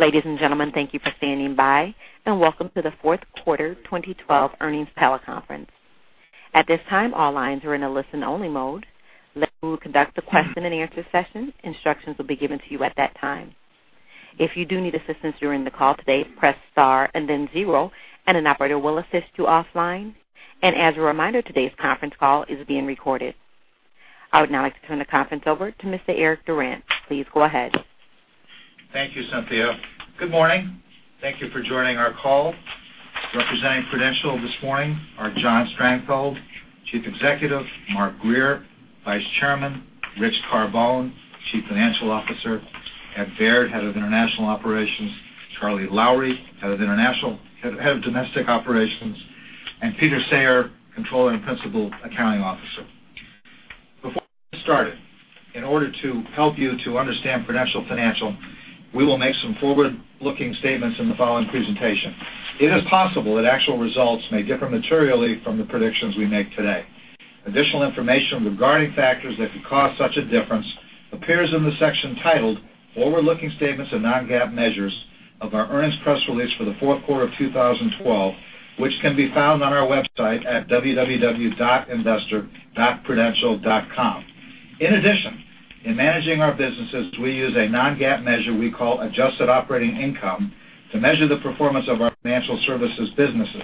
Ladies and gentlemen, thank you for standing by, and welcome to the fourth quarter 2012 earnings teleconference. At this time, all lines are in a listen only mode. We will conduct a question and answer session. Instructions will be given to you at that time. If you do need assistance during the call today, press star and then zero and an operator will assist you offline. As a reminder, today's conference call is being recorded. I would now like to turn the conference over to Mr. Eric Durant. Please go ahead. Thank you, Cynthia. Good morning. Thank you for joining our call. Representing Prudential this morning are John Strangfeld, Chief Executive, Mark Grier, Vice Chairman, Rich Carbone, Chief Financial Officer, Ed Baird, Head of International Operations, Charlie Lowrey, Head of Domestic Operations, and Peter Sayre, Controller and Principal Accounting Officer. Before we get started, in order to help you to understand Prudential Financial, we will make some forward-looking statements in the following presentation. It is possible that actual results may differ materially from the predictions we make today. Additional information regarding factors that could cause such a difference appears in the section titled, "Forward-looking Statements of Non-GAAP Measures" of our earnings press release for the fourth quarter of 2012, which can be found on our website at www.investor.prudential.com. In addition, in managing our businesses, we use a non-GAAP measure we call adjusted operating income to measure the performance of our financial services businesses.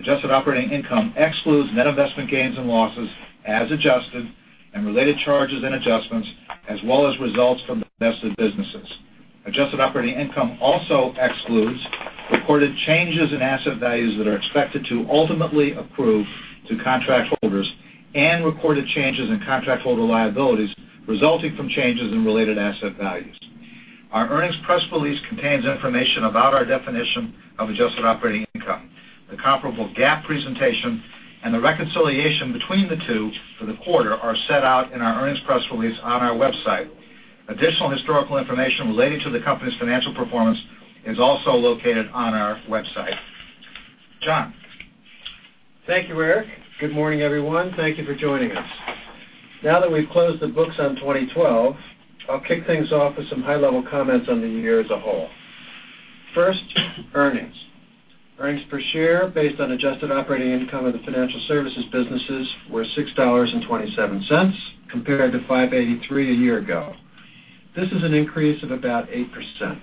Adjusted operating income excludes net investment gains and losses as adjusted and related charges and adjustments, as well as results from divested businesses. Adjusted operating income also excludes recorded changes in asset values that are expected to ultimately accrue to contract holders and recorded changes in contract holder liabilities resulting from changes in related asset values. Our earnings press release contains information about our definition of adjusted operating income. The comparable GAAP presentation and the reconciliation between the two for the quarter are set out in our earnings press release on our website. Additional historical information related to the company's financial performance is also located on our website. John. Thank you, Eric. Good morning, everyone. Thank you for joining us. Now that we've closed the books on 2012, I'll kick things off with some high level comments on the year as a whole. First, earnings. Earnings per share based on adjusted operating income of the financial services businesses were $6.27 compared to $5.83 a year ago. This is an increase of about 8%.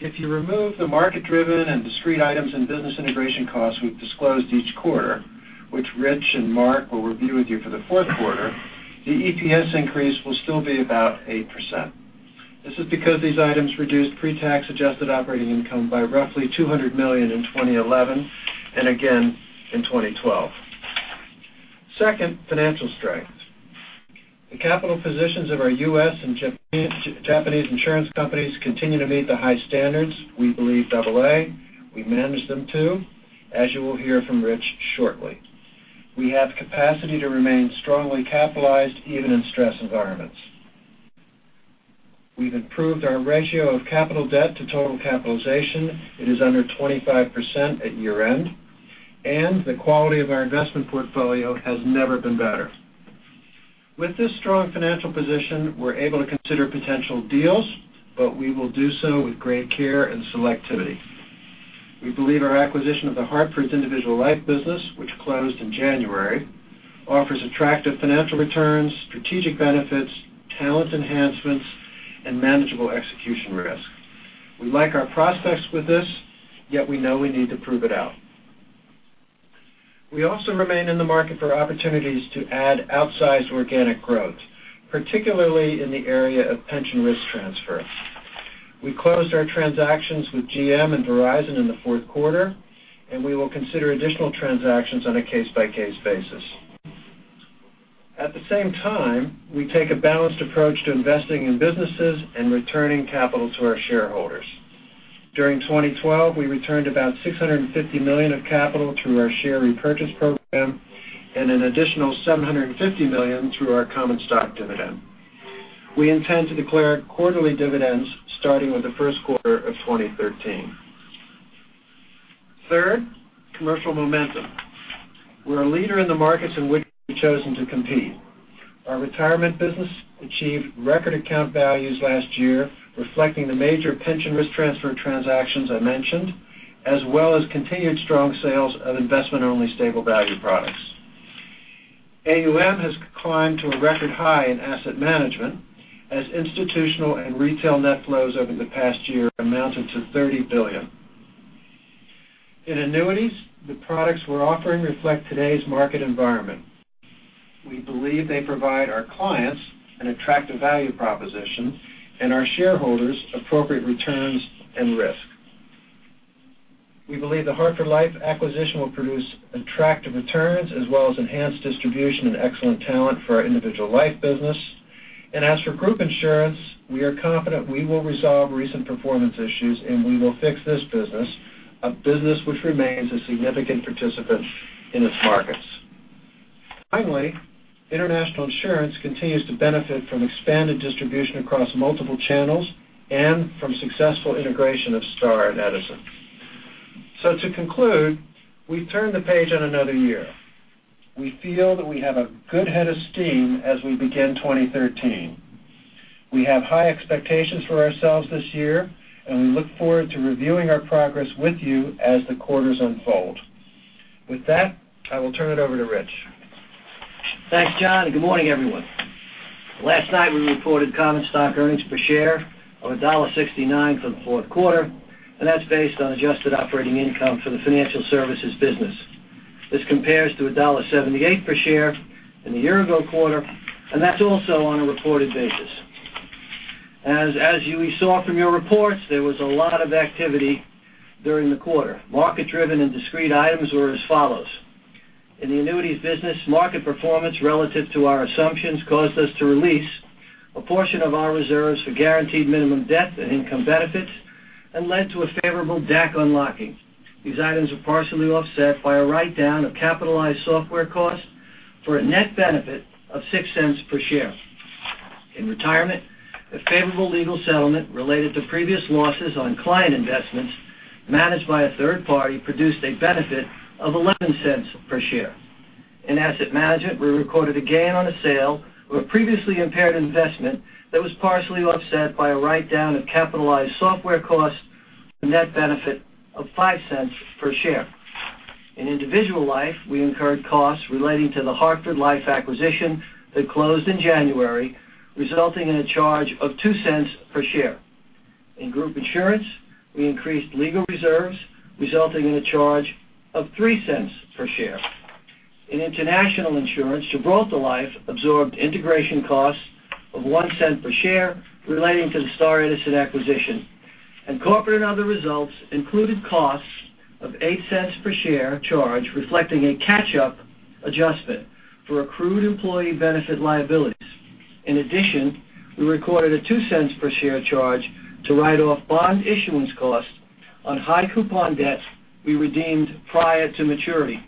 If you remove the market driven and discrete items and business integration costs we've disclosed each quarter, which Rich and Mark will review with you for the fourth quarter, the EPS increase will still be about 8%. This is because these items reduced pre-tax adjusted operating income by roughly $200 million in 2011 and again in 2012. Second, financial strength. The capital positions of our U.S. Japanese insurance companies continue to meet the high standards we believe AA we manage them to, as you will hear from Rich shortly. We have capacity to remain strongly capitalized even in stress environments. We've improved our ratio of capital debt to total capitalization. It is under 25% at year end, and the quality of our investment portfolio has never been better. With this strong financial position, we're able to consider potential deals, but we will do so with great care and selectivity. We believe our acquisition of The Hartford Individual Life business, which closed in January, offers attractive financial returns, strategic benefits, talent enhancements, and manageable execution risk. We like our prospects with this, yet we know we need to prove it out. We also remain in the market for opportunities to add outsized organic growth, particularly in the area of pension risk transfer. We closed our transactions with GM and Verizon in the fourth quarter. We will consider additional transactions on a case by case basis. At the same time, we take a balanced approach to investing in businesses and returning capital to our shareholders. During 2012, we returned about $650 million of capital through our share repurchase program and an additional $750 million through our common stock dividend. We intend to declare quarterly dividends starting with the first quarter of 2013. Third, commercial momentum. We're a leader in the markets in which we've chosen to compete. Our retirement business achieved record account values last year, reflecting the major pension risk transfer transactions I mentioned, as well as continued strong sales of investment only stable value products. AUM has climbed to a record high in asset management as institutional and retail net flows over the past year amounted to $30 billion. In annuities, the products we're offering reflect today's market environment. We believe they provide our clients an attractive value proposition and our shareholders appropriate returns and risk. We believe the Hartford Life acquisition will produce attractive returns as well as enhanced distribution and excellent talent for our individual life business. As for group insurance, we are confident we will resolve recent performance issues, and we will fix this business, a business which remains a significant participant in its markets. Finally, international insurance continues to benefit from expanded distribution across multiple channels and from successful integration of Star and Edison. To conclude, we've turned the page on another year. We feel that we have a good head of steam as we begin 2013. We have high expectations for ourselves this year, and we look forward to reviewing our progress with you as the quarters unfold. With that, I will turn it over to Rich. Thanks, John, and good morning, everyone. Last night, we reported common stock earnings per share of $1.69 for the fourth quarter. That's based on adjusted operating income for the financial services business. This compares to $1.78 per share in the year-ago quarter. That's also on a reported basis. As you saw from your reports, there was a lot of activity during the quarter. Market-driven and discrete items were as follows. In the annuities business, market performance relative to our assumptions caused us to release a portion of our reserves for guaranteed minimum death and income benefits and led to a favorable DAC unlocking. These items are partially offset by a write-down of capitalized software costs for a net benefit of $0.06 per share. In retirement, a favorable legal settlement related to previous losses on client investments managed by a third party produced a benefit of $0.11 per share. In asset management, we recorded a gain on a sale of a previously impaired investment that was partially offset by a write-down of capitalized software costs, a net benefit of $0.05 per share. In individual life, we incurred costs relating to the Hartford Life acquisition that closed in January, resulting in a charge of $0.02 per share. In group insurance, we increased legal reserves, resulting in a charge of $0.03 per share. In international insurance, Gibraltar Life absorbed integration costs of $0.01 per share relating to the Star Edison acquisition. Corporate and other results included costs of $0.08 per share charge, reflecting a catch-up adjustment for accrued employee benefit liabilities. In addition, we recorded a $0.02 per share charge to write off bond issuance costs on high coupon debt we redeemed prior to maturity.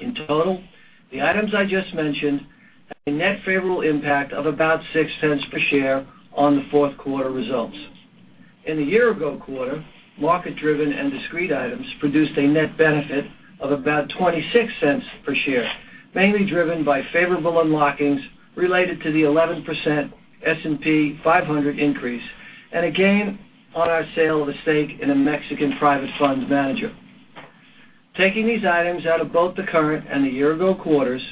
In total, the items I just mentioned had a net favorable impact of about $0.06 per share on the fourth quarter results. In the year-ago quarter, market-driven and discrete items produced a net benefit of about $0.26 per share, mainly driven by favorable unlockings related to the 11% S&P 500 increase and a gain on our sale of a stake in a Mexican private funds manager. Taking these items out of both the current and the year-ago quarters,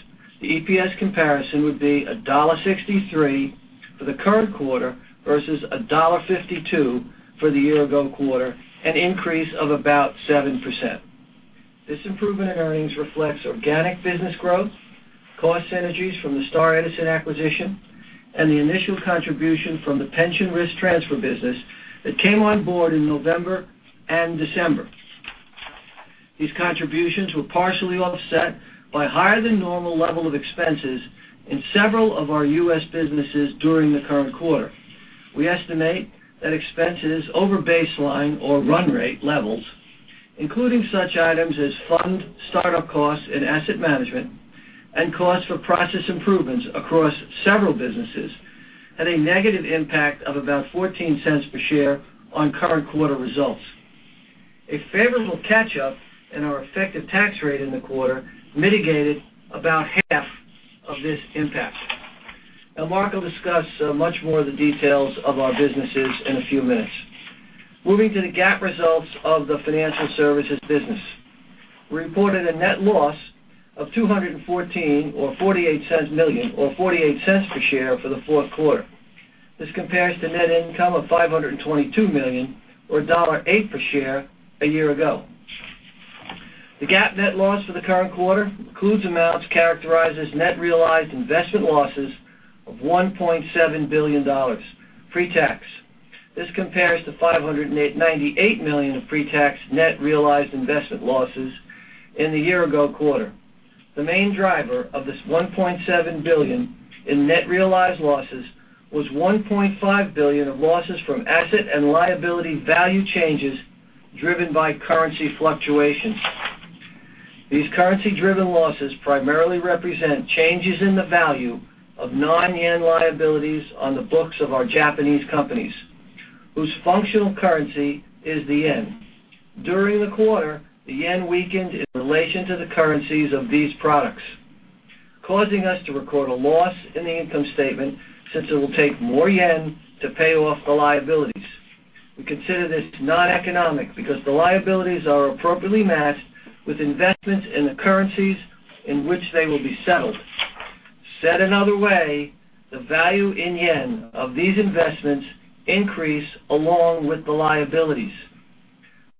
the EPS comparison would be $1.63 for the current quarter versus $1.52 for the year-ago quarter, an increase of about 7%. This improvement in earnings reflects organic business growth, cost synergies from the Star Edison acquisition, and the initial contribution from the pension risk transfer business that came on board in November and December. These contributions were partially offset by higher than normal level of expenses in several of our U.S. businesses during the current quarter. We estimate that expenses over baseline or run rate levels, including such items as fund startup costs in asset management and costs for process improvements across several businesses, had a negative impact of about $0.14 per share on current quarter results. A favorable catch-up in our effective tax rate in the quarter mitigated about half of this impact. Mark will discuss much more of the details of our businesses in a few minutes. Moving to the GAAP results of the financial services business. We reported a net loss of $214 million or $0.48 per share for the fourth quarter. This compares to net income of $522 million or $1.08 per share a year ago. The GAAP net loss for the current quarter includes amounts characterized as net realized investment losses of $1.7 billion, pre-tax. This compares to $598 million of pre-tax net realized investment losses in the year-ago quarter. The main driver of this $1.7 billion in net realized losses was $1.5 billion of losses from asset and liability value changes driven by currency fluctuations. These currency-driven losses primarily represent changes in the value of non-JPY liabilities on the books of our Japanese companies, whose functional currency is the JPY. During the quarter, the JPY weakened in relation to the currencies of these products, causing us to record a loss in the income statement, since it will take more JPY to pay off the liabilities. We consider this non-economic because the liabilities are appropriately matched with investments in the currencies in which they will be settled. Said another way, the value in JPY of these investments increase along with the liabilities.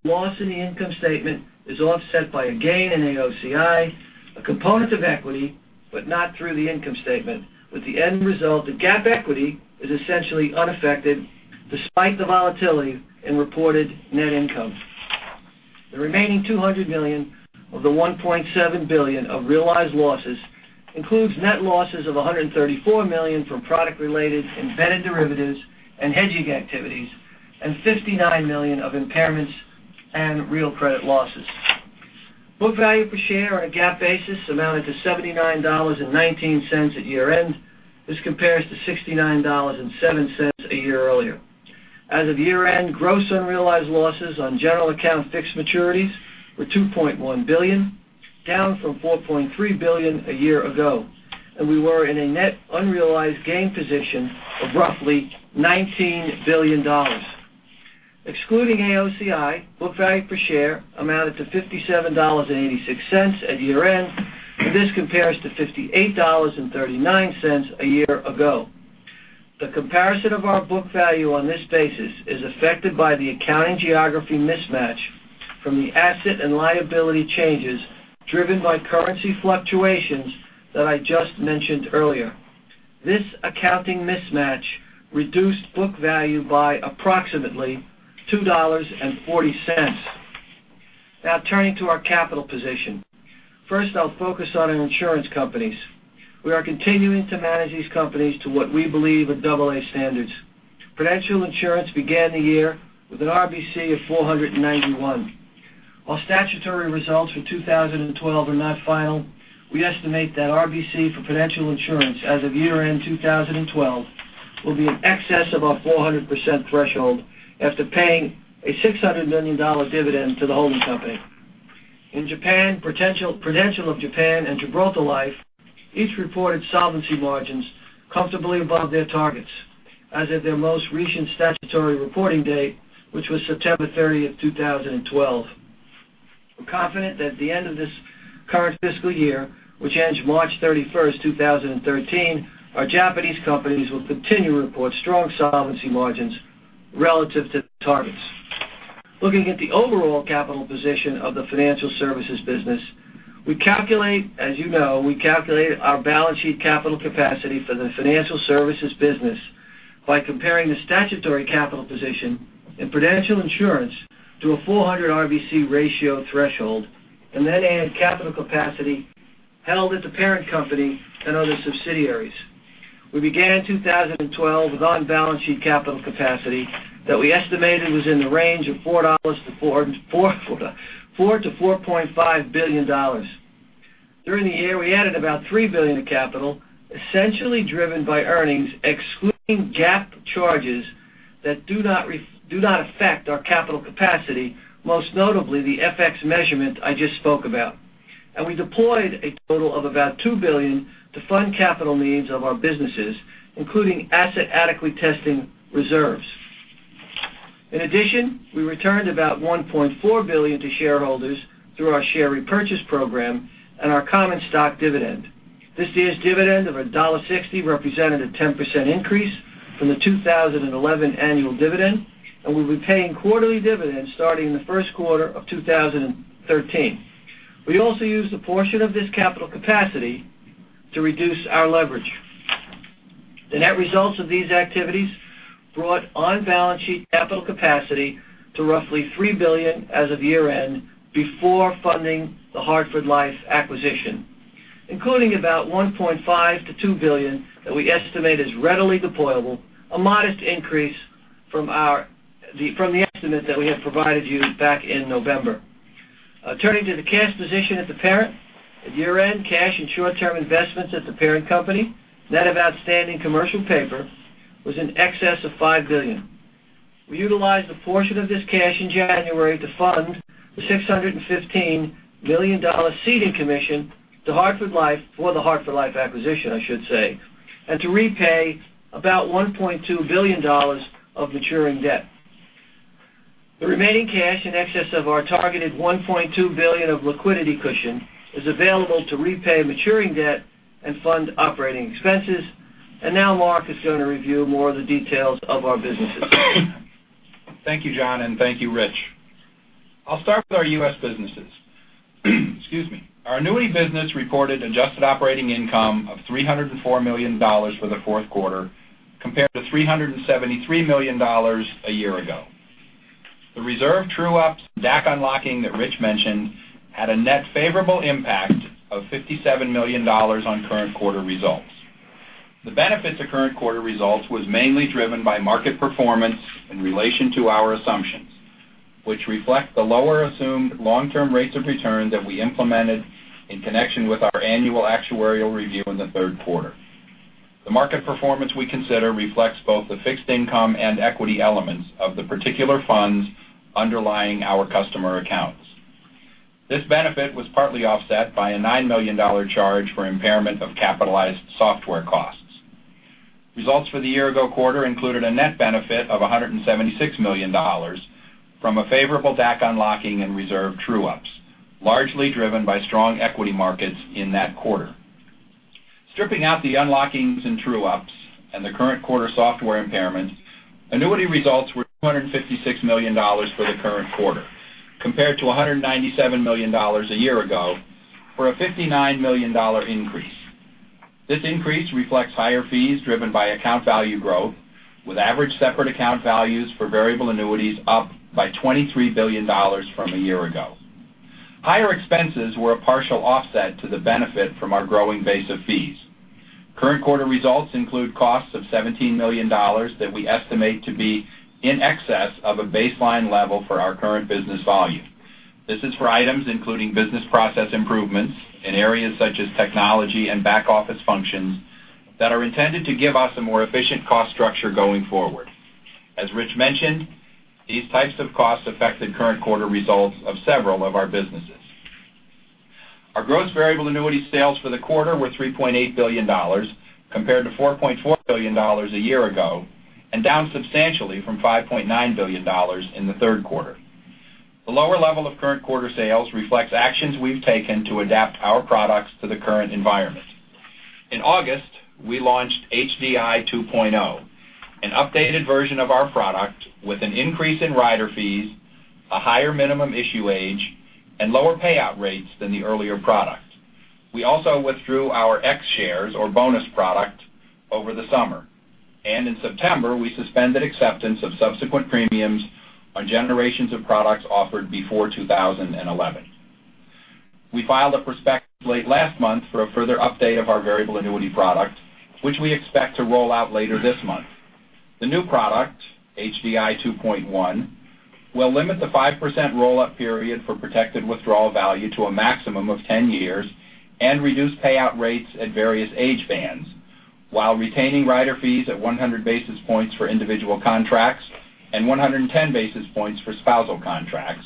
Loss in the income statement is offset by a gain in AOCI, a component of equity, but not through the income statement, with the end result that GAAP equity is essentially unaffected despite the volatility in reported net income. The remaining $200 million of the $1.7 billion of realized losses includes net losses of $134 million from product-related embedded derivatives and hedging activities, and $59 million of impairments and real credit losses. Book value per share on a GAAP basis amounted to $79.19 at year-end. This compares to $69.70 a year earlier. As of year-end, gross unrealized losses on general account fixed maturities were $2.1 billion, down from $4.3 billion a year ago, and we were in a net unrealized gain position of roughly $19 billion. Excluding AOCI, book value per share amounted to $57.86 at year-end, and this compares to $58.39 a year ago. The comparison of our book value on this basis is affected by the accounting geography mismatch from the asset and liability changes driven by currency fluctuations that I just mentioned earlier. This accounting mismatch reduced book value by approximately $2.40. Now turning to our capital position. First, I'll focus on our insurance companies. We are continuing to manage these companies to what we believe are AA standards. Prudential Insurance began the year with an RBC of 491. While statutory results for 2012 are not final, we estimate that RBC for Prudential Insurance as of year-end 2012 will be in excess of our 400% threshold after paying a $600 million dividend to the holding company. In Japan, Prudential of Japan and Gibraltar Life each reported solvency margins comfortably above their targets as of their most recent statutory reporting date, which was September 30, 2012. We're confident that at the end of this current fiscal year, which ends March 31, 2013, our Japanese companies will continue to report strong solvency margins relative to the targets. Looking at the overall capital position of the financial services business, as you know, we calculate our balance sheet capital capacity for the financial services business by comparing the statutory capital position in Prudential Insurance to a 400% RBC ratio threshold and then add capital capacity held at the parent company and other subsidiaries. We began 2012 with on-balance sheet capital capacity that we estimated was in the range of $4 billion to $4.5 billion. During the year, we added about $3 billion of capital, essentially driven by earnings excluding GAAP charges that do not affect our capital capacity, most notably the FX measurement I just spoke about. We deployed a total of about $2 billion to fund capital needs of our businesses, including asset adequacy testing reserves. In addition, we returned about $1.4 billion to shareholders through our share repurchase program and our common stock dividend. This year's dividend of $1.60 represented a 10% increase from the 2011 annual dividend. We'll be paying quarterly dividends starting in the first quarter of 2013. We also used a portion of this capital capacity to reduce our leverage. The net results of these activities brought on-balance sheet capital capacity to roughly $3 billion as of year-end before funding the Hartford Life acquisition, including about $1.5 billion to $2 billion that we estimate is readily deployable, a modest increase from the estimate that we have provided you back in November. Turning to the cash position at the parent. At year-end, cash and short-term investments at the parent company, net of outstanding commercial paper, was in excess of $5 billion. We utilized a portion of this cash in January to fund the $615 million ceding commission to Hartford Life for the Hartford Life acquisition, I should say, and to repay about $1.2 billion of maturing debt. The remaining cash in excess of our targeted $1.2 billion of liquidity cushion is available to repay maturing debt and fund operating expenses. Now Mark is going to review more of the details of our businesses. Thank you, John, and thank you, Rich. I'll start with our U.S. businesses. Excuse me. Our annuity business reported adjusted operating income of $304 million for the fourth quarter compared to $373 million a year ago. The reserve true-ups and DAC unlocking that Rich mentioned had a net favorable impact of $57 million on current quarter results. The benefit to current quarter results was mainly driven by market performance in relation to our assumptions, which reflect the lower assumed long-term rates of return that we implemented in connection with our annual actuarial review in the third quarter. The market performance we consider reflects both the fixed income and equity elements of the particular funds underlying our customer accounts. This benefit was partly offset by a $9 million charge for impairment of capitalized software costs. Results for the year-ago quarter included a net benefit of $176 million from a favorable DAC unlocking and reserve true-ups, largely driven by strong equity markets in that quarter. Stripping out the unlockings and true-ups and the current quarter software impairment, annuity results were $256 million for the current quarter, compared to $197 million a year-ago, for a $59 million increase. This increase reflects higher fees driven by account value growth, with average separate account values for variable annuities up by $23 billion from a year-ago. Higher expenses were a partial offset to the benefit from our growing base of fees. Current quarter results include costs of $17 million that we estimate to be in excess of a baseline level for our current business volume. This is for items including business process improvements in areas such as technology and back-office functions that are intended to give us a more efficient cost structure going forward. As Rich mentioned, these types of costs affected current quarter results of several of our businesses. Our gross variable annuity sales for the quarter were $3.8 billion, compared to $4.4 billion a year-ago, and down substantially from $5.9 billion in the third quarter. The lower level of current quarter sales reflects actions we've taken to adapt our products to the current environment. In August, we launched HVI 2.0, an updated version of our product with an increase in rider fees, a higher minimum issue age, and lower payout rates than the earlier product. We also withdrew our X-Share or bonus product over the summer. In September, we suspended acceptance of subsequent premiums on generations of products offered before 2011. We filed a prospectus late last month for a further update of our variable annuity product, which we expect to roll out later this month. The new product, HVI 2.1, will limit the 5% roll-up period for protected withdrawal value to a maximum of 10 years and reduce payout rates at various age bands, while retaining rider fees at 100 basis points for individual contracts and 110 basis points for spousal contracts,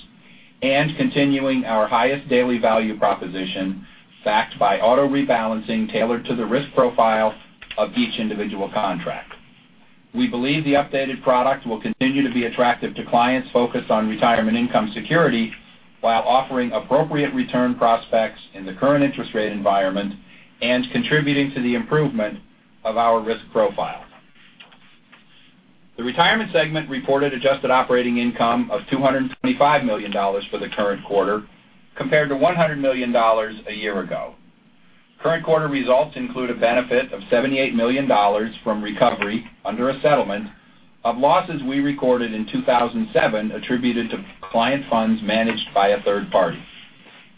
and continuing our highest daily value proposition backed by auto rebalancing tailored to the risk profile of each individual contract. We believe the updated product will continue to be attractive to clients focused on retirement income security while offering appropriate return prospects in the current interest rate environment and contributing to the improvement of our risk profile. The Retirement Segment reported adjusted operating income of $225 million for the current quarter, compared to $100 million a year-ago. Current quarter results include a benefit of $78 million from recovery under a settlement of losses we recorded in 2007 attributed to client funds managed by a third party.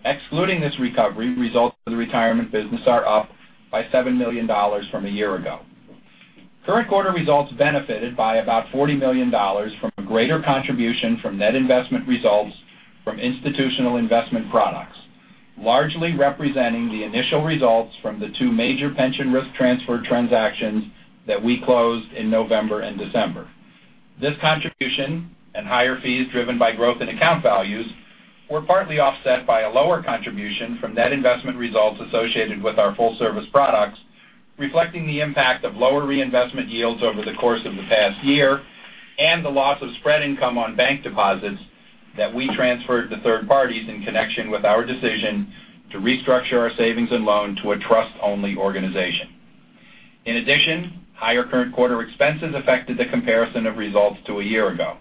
Excluding this recovery, results of the retirement business are up by $47 million from a year-ago. Current quarter results benefited by about $40 million from a greater contribution from net investment results from institutional investment products, largely representing the initial results from the two major pension risk transfer transactions that we closed in November and December. This contribution and higher fees driven by growth in account values were partly offset by a lower contribution from net investment results associated with our full service products, reflecting the impact of lower reinvestment yields over the course of the past year and the loss of spread income on bank deposits that we transferred to third parties in connection with our decision to restructure our savings and loan to a trust-only organization. In addition, higher current quarter expenses affected the comparison of results to a year ago.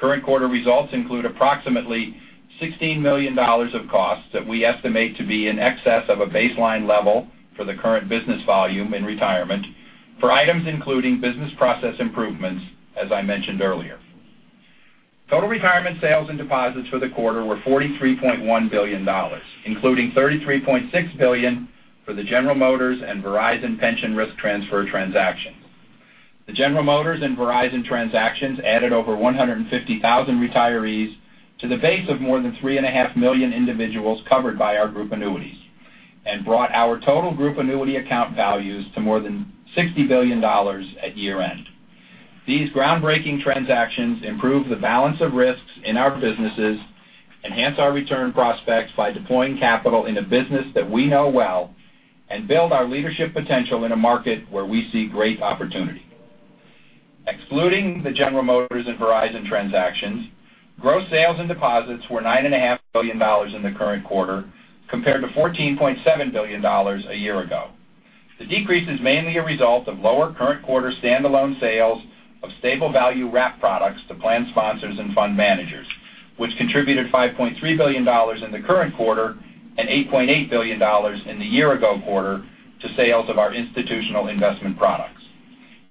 Current quarter results include approximately $16 million of costs that we estimate to be in excess of a baseline level for the current business volume in retirement for items including business process improvements, as I mentioned earlier. Total retirement sales and deposits for the quarter were $43.1 billion, including $33.6 billion for the General Motors and Verizon pension risk transfer transactions. The General Motors and Verizon transactions added over 150,000 retirees to the base of more than three and a half million individuals covered by our group annuities and brought our total group annuity account values to more than $60 billion at year-end. These groundbreaking transactions improve the balance of risks in our businesses, enhance our return prospects by deploying capital in a business that we know well, and build our leadership potential in a market where we see great opportunity. Excluding the General Motors and Verizon transactions, gross sales and deposits were $9.5 billion in the current quarter, compared to $14.7 billion a year ago. The decrease is mainly a result of lower current quarter standalone sales of stable value wrap products to plan sponsors and fund managers, which contributed $5.3 billion in the current quarter and $8.8 billion in the year-ago quarter to sales of our institutional investment products.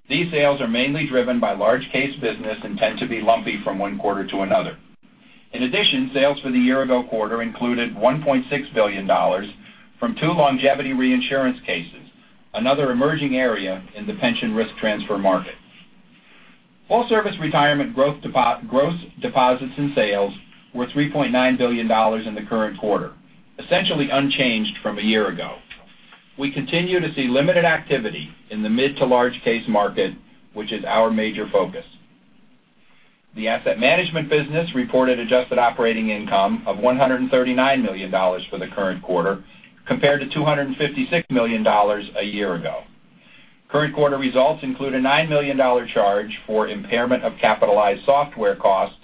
These sales are mainly driven by large case business and tend to be lumpy from one quarter to another. In addition, sales for the year-ago quarter included $1.6 billion from two longevity reinsurance cases, another emerging area in the pension risk transfer market. Full service retirement gross deposits and sales were $3.9 billion in the current quarter, essentially unchanged from a year ago. We continue to see limited activity in the mid to large case market, which is our major focus. The asset management business reported adjusted operating income of $139 million for the current quarter, compared to $256 million a year ago. Current quarter results include a $9 million charge for impairment of capitalized software costs,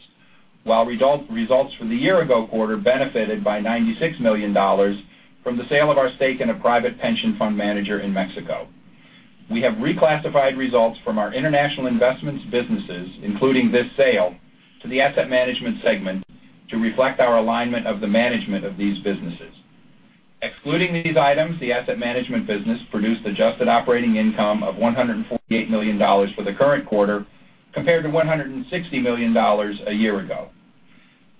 while results for the year-ago quarter benefited by $96 million from the sale of our stake in a private pension fund manager in Mexico. We have reclassified results from our international investments businesses, including this sale, to the asset management segment to reflect our alignment of the management of these businesses. Excluding these items, the asset management business produced adjusted operating income of $148 million for the current quarter, compared to $160 million a year ago.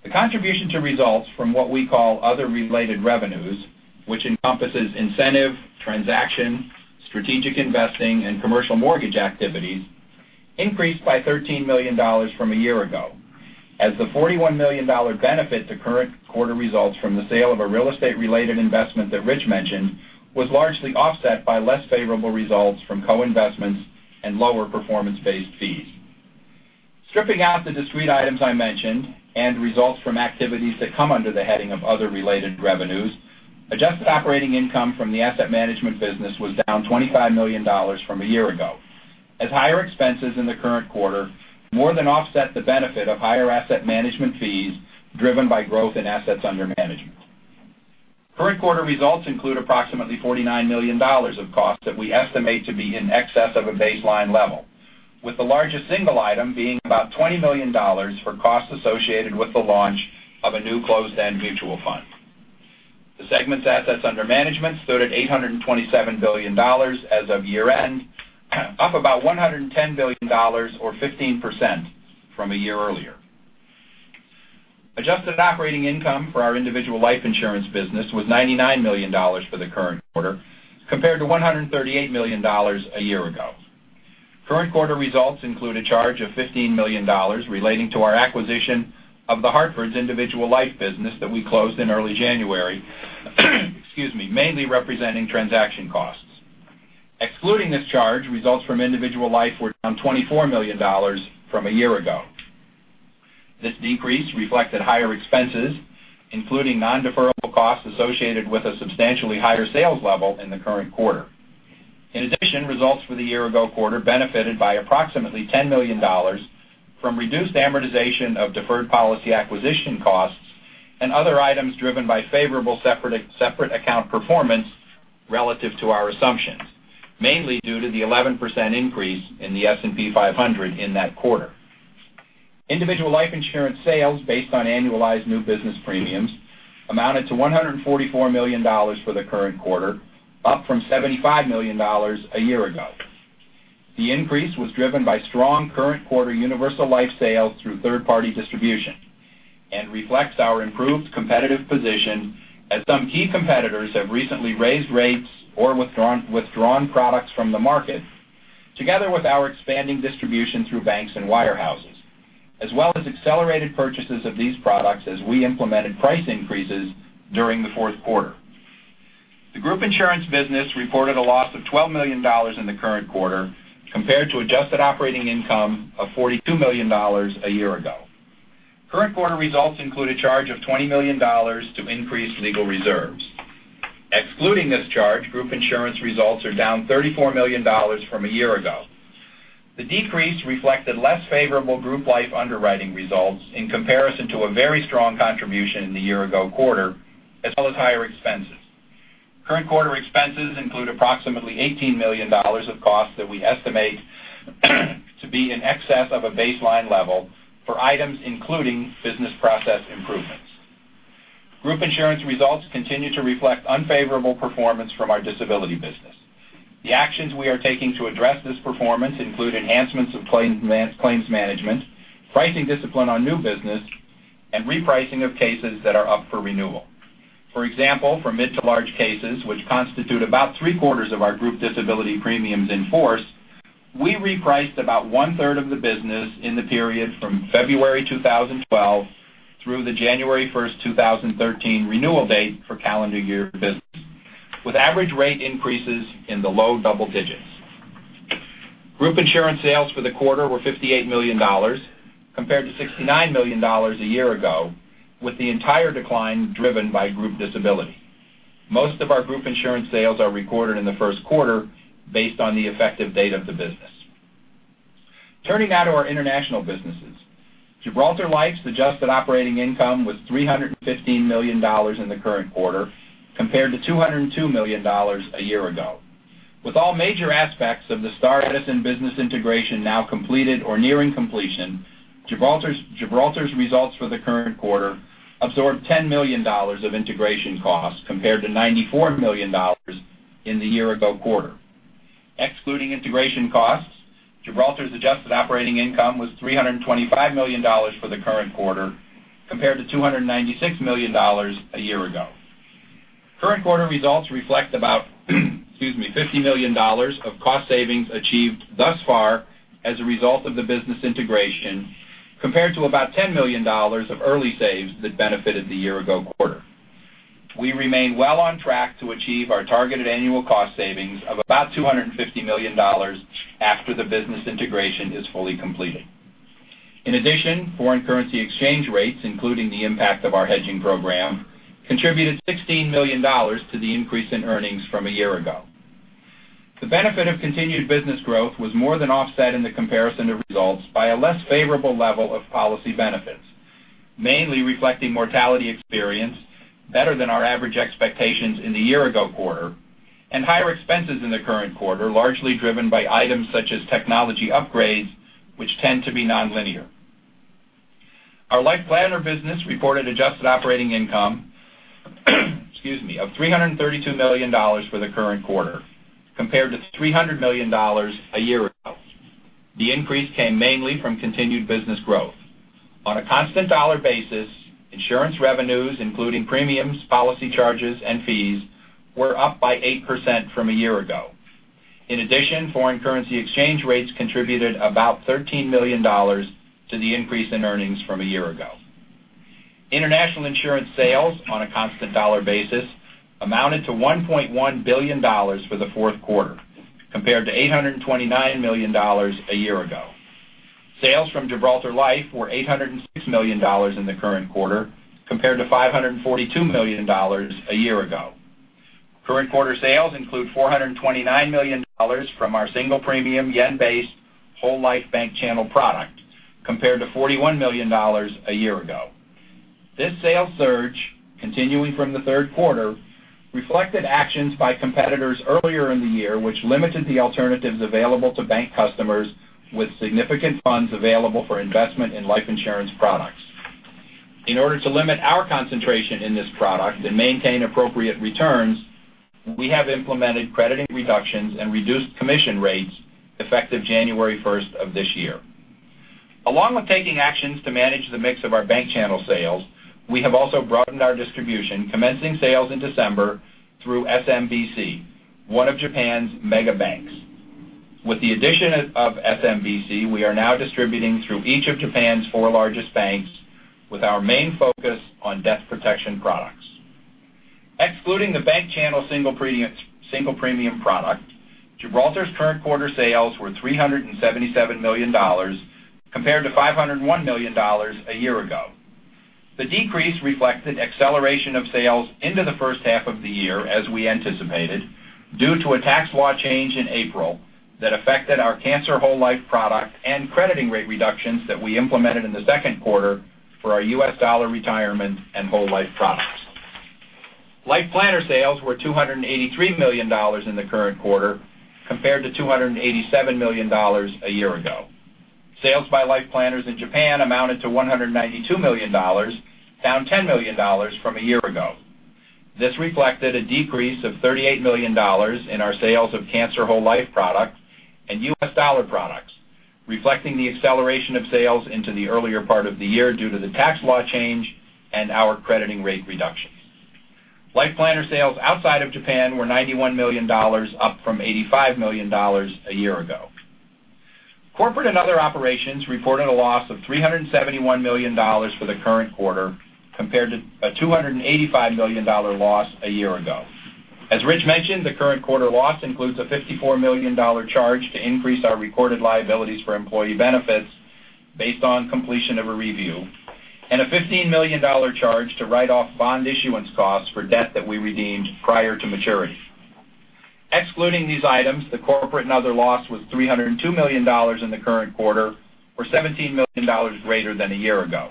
The contribution to results from what we call other related revenues, which encompasses incentive, transaction, strategic investing, and commercial mortgage activities, increased by $13 million from a year ago, as the $41 million benefit to current quarter results from the sale of a real estate related investment that Rich mentioned, was largely offset by less favorable results from co-investments and lower performance-based fees. Stripping out the discrete items I mentioned and results from activities that come under the heading of other related revenues, adjusted operating income from the asset management business was down $25 million from a year ago, as higher expenses in the current quarter more than offset the benefit of higher asset management fees driven by growth in assets under management. Current quarter results include approximately $49 million of costs that we estimate to be in excess of a baseline level, with the largest single item being about $20 million for costs associated with the launch of a new closed-end mutual fund. The segment's assets under management stood at $827 billion as of year-end, up about $110 billion or 15% from a year earlier. Adjusted operating income for our individual life insurance business was $99 million for the current quarter, compared to $138 million a year ago. Current quarter results include a charge of $15 million relating to our acquisition of The Hartford's individual life business that we closed in early January, mainly representing transaction costs. Excluding this charge, results from individual life were down $24 million from a year ago. This decrease reflected higher expenses, including non-deferrable costs associated with a substantially higher sales level in the current quarter. In addition, results for the year-ago quarter benefited by approximately $10 million from reduced amortization of deferred policy acquisition costs and other items driven by favorable separate account performance relative to our assumptions, mainly due to the 11% increase in the S&P 500 in that quarter. Individual life insurance sales, based on annualized new business premiums, amounted to $144 million for the current quarter, up from $75 million a year ago. The increase was driven by strong current quarter universal life sales through third-party distribution and reflects our improved competitive position as some key competitors have recently raised rates or withdrawn products from the market, together with our expanding distribution through banks and wirehouses, as well as accelerated purchases of these products as we implemented price increases during the fourth quarter. The group insurance business reported a loss of $12 million in the current quarter compared to adjusted operating income of $42 million a year ago. Current quarter results include a charge of $20 million to increase legal reserves. Excluding this charge, group insurance results are down $34 million from a year ago. The decrease reflected less favorable group life underwriting results in comparison to a very strong contribution in the year-ago quarter, as well as higher expenses. Current quarter expenses include approximately $18 million of costs that we estimate to be in excess of a baseline level for items including business process improvements. Group insurance results continue to reflect unfavorable performance from our disability business. The actions we are taking to address this performance include enhancements of claims management, pricing discipline on new business, and repricing of cases that are up for renewal. For example, for mid to large cases, which constitute about three-quarters of our group disability premiums in force, we repriced about one-third of the business in the period from February 2012 through the January 1st, 2013 renewal date for calendar year business, with average rate increases in the low double digits. Group insurance sales for the quarter were $58 million, compared to $69 million a year ago, with the entire decline driven by group disability. Most of our group insurance sales are recorded in the first quarter based on the effective date of the business. Turning now to our international businesses. Gibraltar Life's adjusted operating income was $315 million in the current quarter, compared to $202 million a year ago. With all major aspects of the Star Edison business integration now completed or nearing completion, Gibraltar's results for the current quarter absorbed $10 million of integration costs, compared to $94 million in the year-ago quarter. Excluding integration costs, Gibraltar's adjusted operating income was $325 million for the current quarter, compared to $296 million a year ago. Current quarter results reflect about $50 million of cost savings achieved thus far as a result of the business integration, compared to about $10 million of early saves that benefited the year-ago quarter. We remain well on track to achieve our targeted annual cost savings of about $250 million after the business integration is fully completed. In addition, foreign currency exchange rates, including the impact of our hedging program, contributed $16 million to the increase in earnings from a year ago. The benefit of continued business growth was more than offset in the comparison of results by a less favorable level of policy benefits, mainly reflecting mortality experience better than our average expectations in the year-ago quarter and higher expenses in the current quarter, largely driven by items such as technology upgrades, which tend to be nonlinear. Our Life Planner business reported adjusted operating income. Excuse me. Of $332 million for the current quarter, compared to $300 million a year ago. The increase came mainly from continued business growth. On a constant dollar basis, insurance revenues, including premiums, policy charges, and fees, were up by 8% from a year ago. In addition, foreign currency exchange rates contributed about $13 million to the increase in earnings from a year ago. International insurance sales on a constant dollar basis amounted to $1.1 billion for the fourth quarter, compared to $829 million a year ago. Sales from Gibraltar Life were $806 million in the current quarter, compared to $542 million a year ago. Current quarter sales include $429 million from our single premium, yen-based, whole life bank channel product, compared to $41 million a year ago. This sales surge, continuing from the third quarter, reflected actions by competitors earlier in the year, which limited the alternatives available to bank customers with significant funds available for investment in life insurance products. In order to limit our concentration in this product and maintain appropriate returns, we have implemented crediting reductions and reduced commission rates effective January first of this year. Along with taking actions to manage the mix of our bank channel sales, we have also broadened our distribution, commencing sales in December through SMBC, one of Japan's mega banks. With the addition of SMBC, we are now distributing through each of Japan's four largest banks, with our main focus on death protection products. Excluding the bank channel single premium product, Gibraltar's current quarter sales were $377 million, compared to $501 million a year ago. The decrease reflected acceleration of sales into the first half of the year, as we anticipated, due to a tax law change in April that affected our cancer whole life product and crediting rate reductions that we implemented in the second quarter for our U.S. dollar retirement and whole life products. Life Planner sales were $283 million in the current quarter, compared to $287 million a year ago. Sales by Life Planners in Japan amounted to $192 million, down $10 million from a year ago. This reflected a decrease of $38 million in our sales of cancer whole life products and U.S. dollar products, reflecting the acceleration of sales into the earlier part of the year due to the tax law change and our crediting rate reductions. Life Planner sales outside of Japan were $91 million, up from $85 million a year ago. Corporate and other operations reported a loss of $371 million for the current quarter, compared to a $285 million loss a year ago. As Rich mentioned, the current quarter loss includes a $54 million charge to increase our recorded liabilities for employee benefits based on completion of a review, and a $15 million charge to write off bond issuance costs for debt that we redeemed prior to maturity. Excluding these items, the corporate and other loss was $302 million in the current quarter, or $17 million greater than a year ago.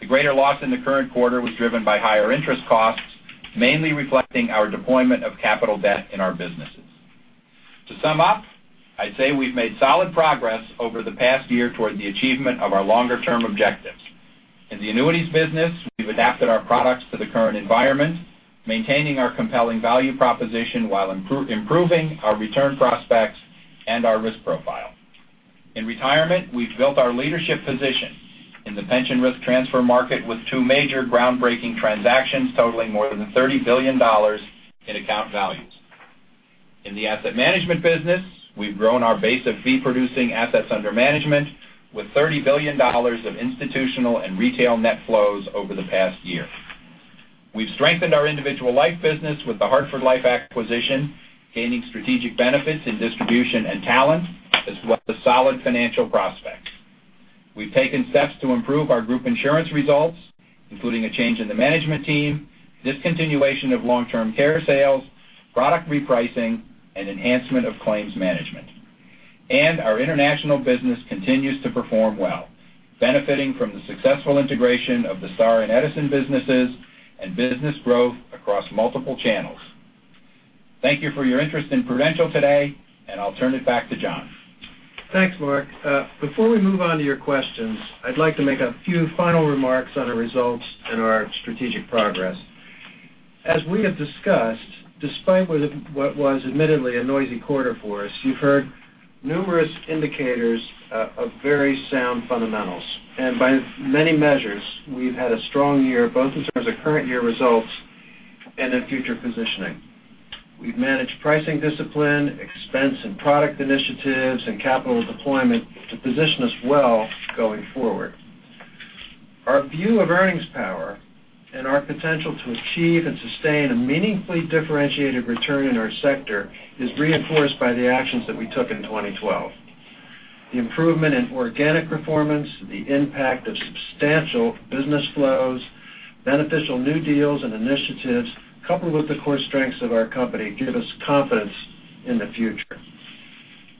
The greater loss in the current quarter was driven by higher interest costs, mainly reflecting our deployment of capital debt in our businesses. To sum up, I'd say we've made solid progress over the past year toward the achievement of our longer-term objectives. In the annuities business, we've adapted our products to the current environment, maintaining our compelling value proposition while improving our return prospects and our risk profile. In retirement, we've built our leadership position in the pension risk transfer market with two major groundbreaking transactions totaling more than $30 billion in account values. In the asset management business, we've grown our base of fee-producing assets under management with $30 billion of institutional and retail net flows over the past year. We've strengthened our individual life business with The Hartford Life acquisition, gaining strategic benefits in distribution and talent, as well as solid financial prospects. We've taken steps to improve our group insurance results, including a change in the management team, discontinuation of long-term care sales, product repricing, and enhancement of claims management. Our international business continues to perform well, benefiting from the successful integration of the Star and Edison businesses and business growth across multiple channels. Thank you for your interest in Prudential today, and I'll turn it back to John. Thanks, Mark. Before we move on to your questions, I'd like to make a few final remarks on our results and our strategic progress. As we have discussed, despite what was admittedly a noisy quarter for us, you've heard numerous indicators of very sound fundamentals. By many measures, we've had a strong year, both in terms of current year results and in future positioning. We've managed pricing discipline, expense and product initiatives, and capital deployment to position us well going forward. Our view of earnings power and our potential to achieve and sustain a meaningfully differentiated return in our sector is reinforced by the actions that we took in 2012. The improvement in organic performance, the impact of substantial business flows, beneficial new deals and initiatives, coupled with the core strengths of our company, give us confidence in the future.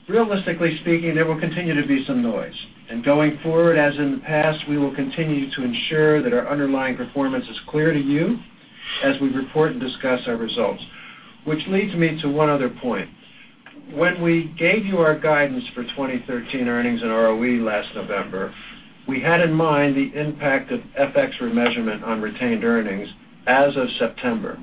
Realistically speaking, there will continue to be some noise, and going forward, as in the past, we will continue to ensure that our underlying performance is clear to you as we report and discuss our results. Which leads me to one other point. When we gave you our guidance for 2013 earnings and ROE last November, we had in mind the impact of FX remeasurement on retained earnings as of September.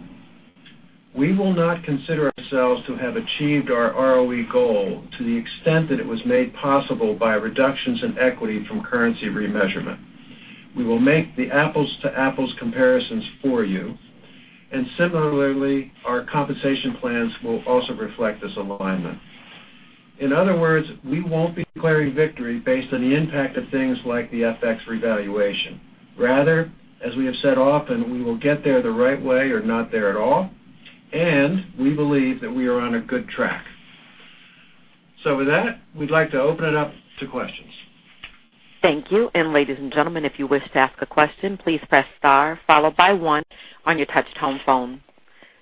We will not consider ourselves to have achieved our ROE goal to the extent that it was made possible by reductions in equity from currency remeasurement. We will make the apples to apples comparisons for you. Similarly, our compensation plans will also reflect this alignment. In other words, we won't be declaring victory based on the impact of things like the FX revaluation. Rather, as we have said often, we will get there the right way or not there at all, and we believe that we are on a good track. With that, we'd like to open it up to questions. Thank you. Ladies and gentlemen, if you wish to ask a question, please press star followed by one on your touch tone phone.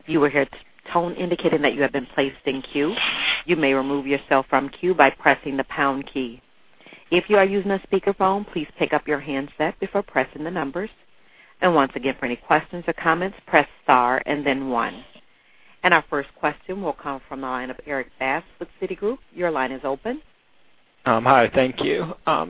You will hear a tone indicating that you have been placed in queue. You may remove yourself from queue by pressing the pound key. If you are using a speakerphone, please pick up your handset before pressing the numbers. Once again, for any questions or comments, press star and then one. Our first question will come from the line of Erik Bass with Citigroup. Your line is open. Hi. Thank you. I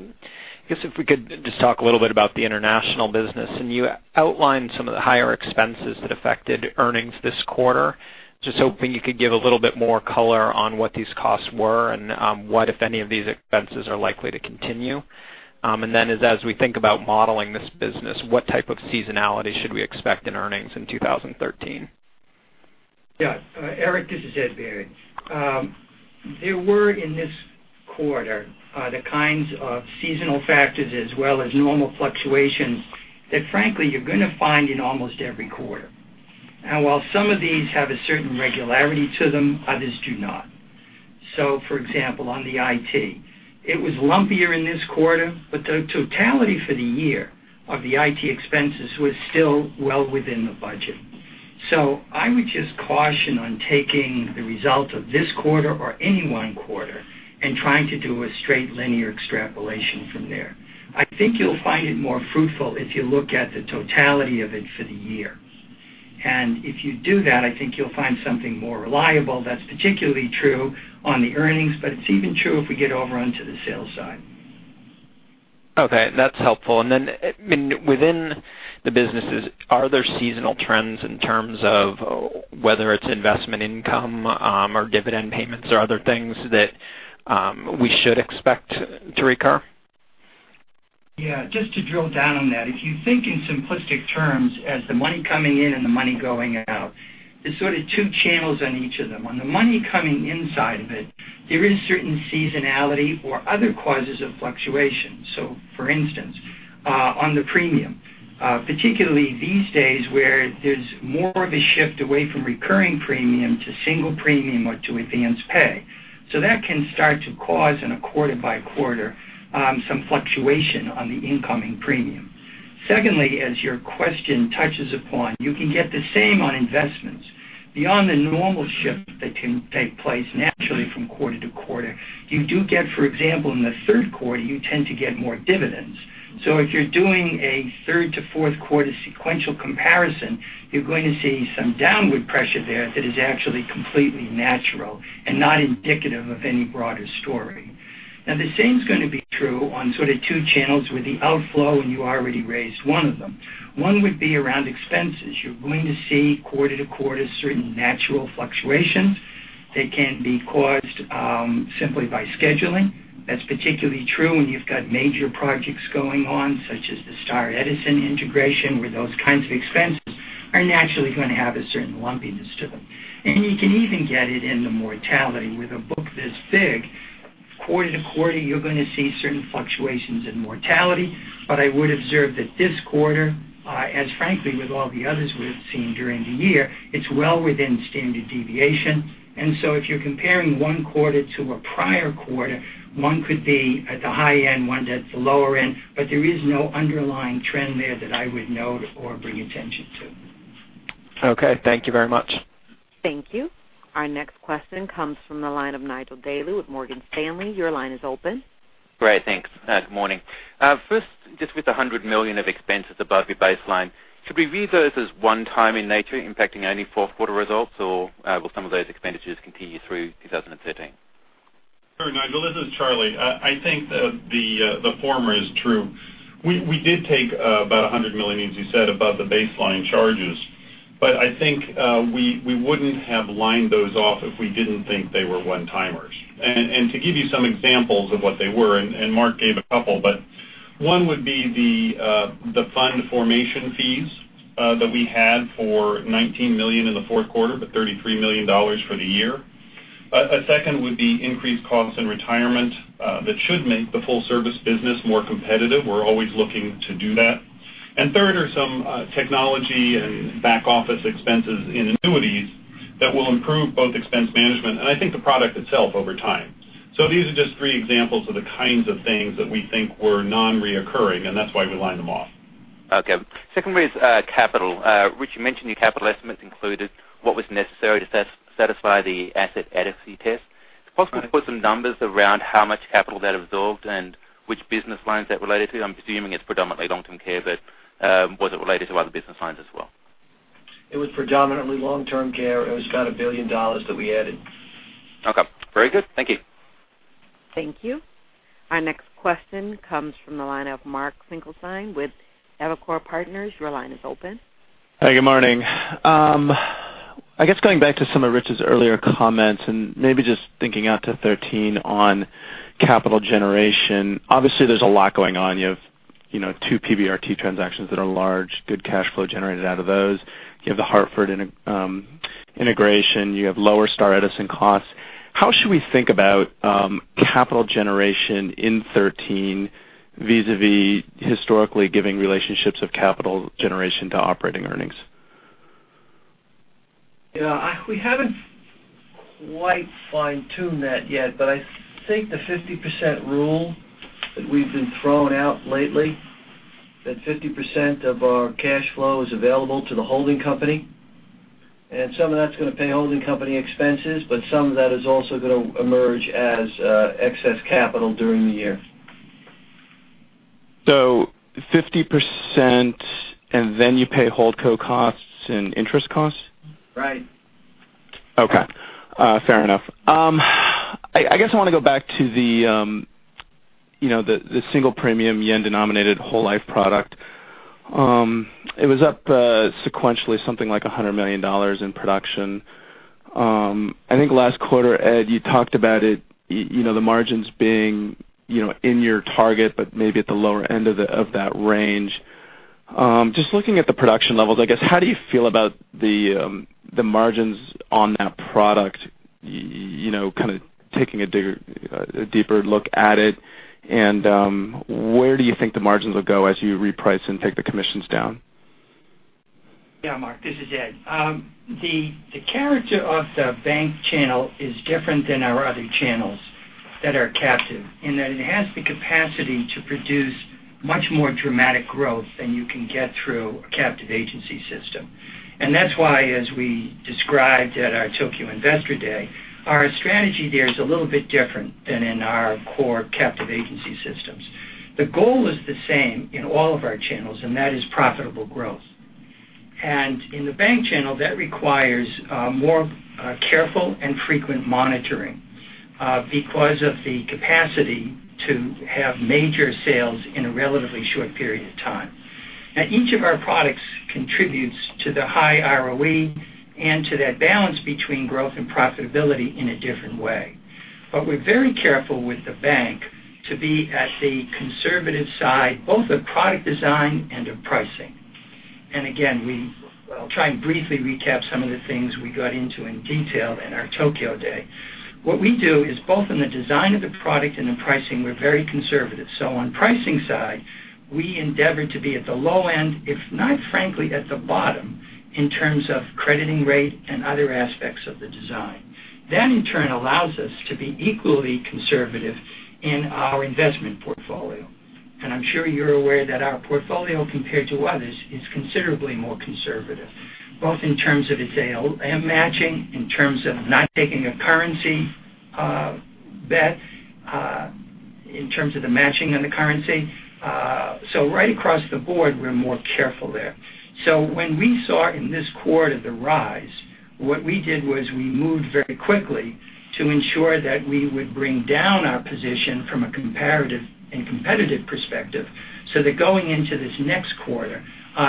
guess if we could just talk a little bit about the international business. You outlined some of the higher expenses that affected earnings this quarter. Just hoping you could give a little bit more color on what these costs were and what, if any, of these expenses are likely to continue. As we think about modeling this business, what type of seasonality should we expect in earnings in 2013? Yeah. Erik, this is Ed Baird. There were, in this quarter, the kinds of seasonal factors as well as normal fluctuations that frankly, you're going to find in almost every quarter. While some of these have a certain regularity to them, others do not. On the IT, it was lumpier in this quarter, but the totality for the year of the IT expenses was still well within the budget. I would just caution on taking the result of this quarter or any one quarter and trying to do a straight linear extrapolation from there. I think you'll find it more fruitful if you look at the totality of it for the year. If you do that, I think you'll find something more reliable that's particularly true on the earnings, but it's even true if we get over onto the sales side. Okay. That's helpful. Within the businesses, are there seasonal trends in terms of whether it's investment income, or dividend payments, or other things that we should expect to recur? Yeah. Just to drill down on that, if you think in simplistic terms as the money coming in and the money going out, there's sort of two channels on each of them. On the money coming inside of it, there is certain seasonality or other causes of fluctuation. For instance, on the premium, particularly these days where there's more of a shift away from recurring premium to single premium or to advance pay. That can start to cause in a quarter by quarter some fluctuation on the incoming premium. Secondly, as your question touches upon, you can get the same on investments. Beyond the normal shift that can take place naturally from quarter to quarter, you do get, for example, in the third quarter, you tend to get more dividends. If you're doing a third to fourth quarter sequential comparison, you're going to see some downward pressure there that is actually completely natural and not indicative of any broader story. The same is going to be true on sort of two channels with the outflow, and you already raised one of them. One would be around expenses. You're going to see quarter-to-quarter certain natural fluctuations that can be caused simply by scheduling. That's particularly true when you've got major projects going on, such as the Star Edison integration, where those kinds of expenses are naturally going to have a certain lumpiness to them. You can even get it in the mortality. With a book this big, quarter-to-quarter, you're going to see certain fluctuations in mortality. I would observe that this quarter, as frankly with all the others we have seen during the year, it's well within standard deviation. If you're comparing one quarter to a prior quarter, one could be at the high end, one at the lower end, but there is no underlying trend there that I would note or bring attention to. Okay. Thank you very much. Thank you. Our next question comes from the line of Nigel Dally with Morgan Stanley. Your line is open. Great. Thanks. Good morning. First, just with the $100 million of expenses above your baseline, should we view those as one-time in nature impacting only fourth quarter results, or will some of those expenditures continue through 2013? Sure, Nigel, this is Charlie. I think the former is true. We did take about $100 million, as you said, above the baseline charges. I think we wouldn't have lined those off if we didn't think they were one-timers. To give you some examples of what they were, Mark gave a couple. One would be the fund formation fees that we had for $19 million in the fourth quarter, but $33 million for the year. A second would be increased costs in retirement that should make the full service business more competitive. We're always looking to do that. Third are some technology and back office expenses in annuities that will improve both expense management and I think the product itself over time. These are just three examples of the kinds of things that we think were non-recurring. That's why we lined them off. Okay. Second one is capital. Rich, you mentioned your capital estimates included what was necessary to satisfy the asset adequacy test. Right. It's possible to put some numbers around how much capital that absorbed and which business lines that related to? I'm assuming it's predominantly long-term care, but was it related to other business lines as well? It was predominantly long-term care. It was about $1 billion that we added. Okay. Very good. Thank you. Thank you. Our next question comes from the line of Mark Finkelstein with Evercore Partners. Your line is open. Hi, good morning. Going back to some of Rich's earlier comments, maybe just thinking out to 2013 on capital generation. Obviously, there's a lot going on. You have two PRT transactions that are large, good cash flow generated out of those. You have The Hartford integration. You have lower Star and Edison businesses costs. How should we think about capital generation in 2013 vis-a-vis historically giving relationships of capital generation to operating earnings? We haven't quite fine-tuned that yet, I think the 50% rule that we've been throwing out lately, that 50% of our cash flow is available to the holding company. Some of that's going to pay holding company expenses, some of that is also going to emerge as excess capital during the year. 50% and then you pay holdco costs and interest costs? Right. Fair enough. I want to go back to the single premium JPY-denominated whole life product. It was up sequentially something like JPY 100 million in production. I think last quarter, Ed, you talked about it, the margins being in your target, but maybe at the lower end of that range. Just looking at the production levels, how do you feel about the margins on that product, kind of taking a deeper look at it? Where do you think the margins will go as you reprice and take the commissions down? Yeah, Mark. This is Ed. The character of the bank channel is different than our other channels that are captive in that it has the capacity to produce much more dramatic growth than you can get through a captive agency system. That's why, as we described at our Tokyo Investor Day, our strategy there is a little bit different than in our core captive agency systems. The goal is the same in all of our channels, and that is profitable growth. In the bank channel, that requires more careful and frequent monitoring because of the capacity to have major sales in a relatively short period of time. Each of our products contributes to the high ROE and to that balance between growth and profitability in a different way. We're very careful with the bank to be at the conservative side, both of product design and of pricing. Again, I'll try and briefly recap some of the things we got into in detail in our Tokyo day. What we do is both in the design of the product and the pricing, we're very conservative. On pricing side, we endeavor to be at the low end, if not frankly at the bottom in terms of crediting rate and other aspects of the design. That in turn allows us to be equally conservative in our investment portfolio. I'm sure you're aware that our portfolio, compared to others, is considerably more conservative, both in terms of its ALM matching, in terms of not taking a currency bet, in terms of the matching of the currency. Right across the board, we're more careful there. When we saw in this quarter the rise, what we did was we moved very quickly to ensure that we would bring down our position from a comparative and competitive perspective so that going into this next quarter,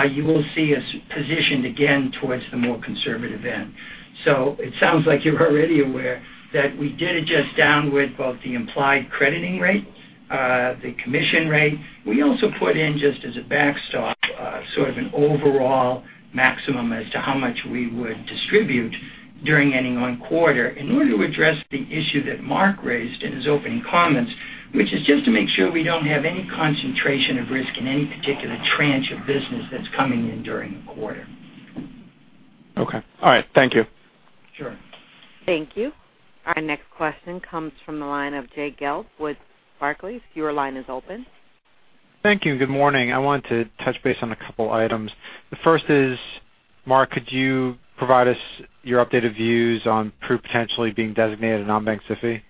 you will see us positioned again towards the more conservative end. It sounds like you're already aware that we did adjust downward both the implied crediting rate, the commission rate. We also put in just as a backstop sort of an overall maximum as to how much we would distribute during any one quarter in order to address the issue that Mark raised in his opening comments, which is just to make sure we don't have any concentration of risk in any particular tranche of business that's coming in during the quarter. Okay. All right. Thank you. Sure. Thank you. Our next question comes from the line of Jay Gelb with Barclays. Your line is open. Thank you. Good morning. I wanted to touch base on a couple items. The first is, Mark, could you provide us your updated views on Pru potentially being designated a non-bank SIFI?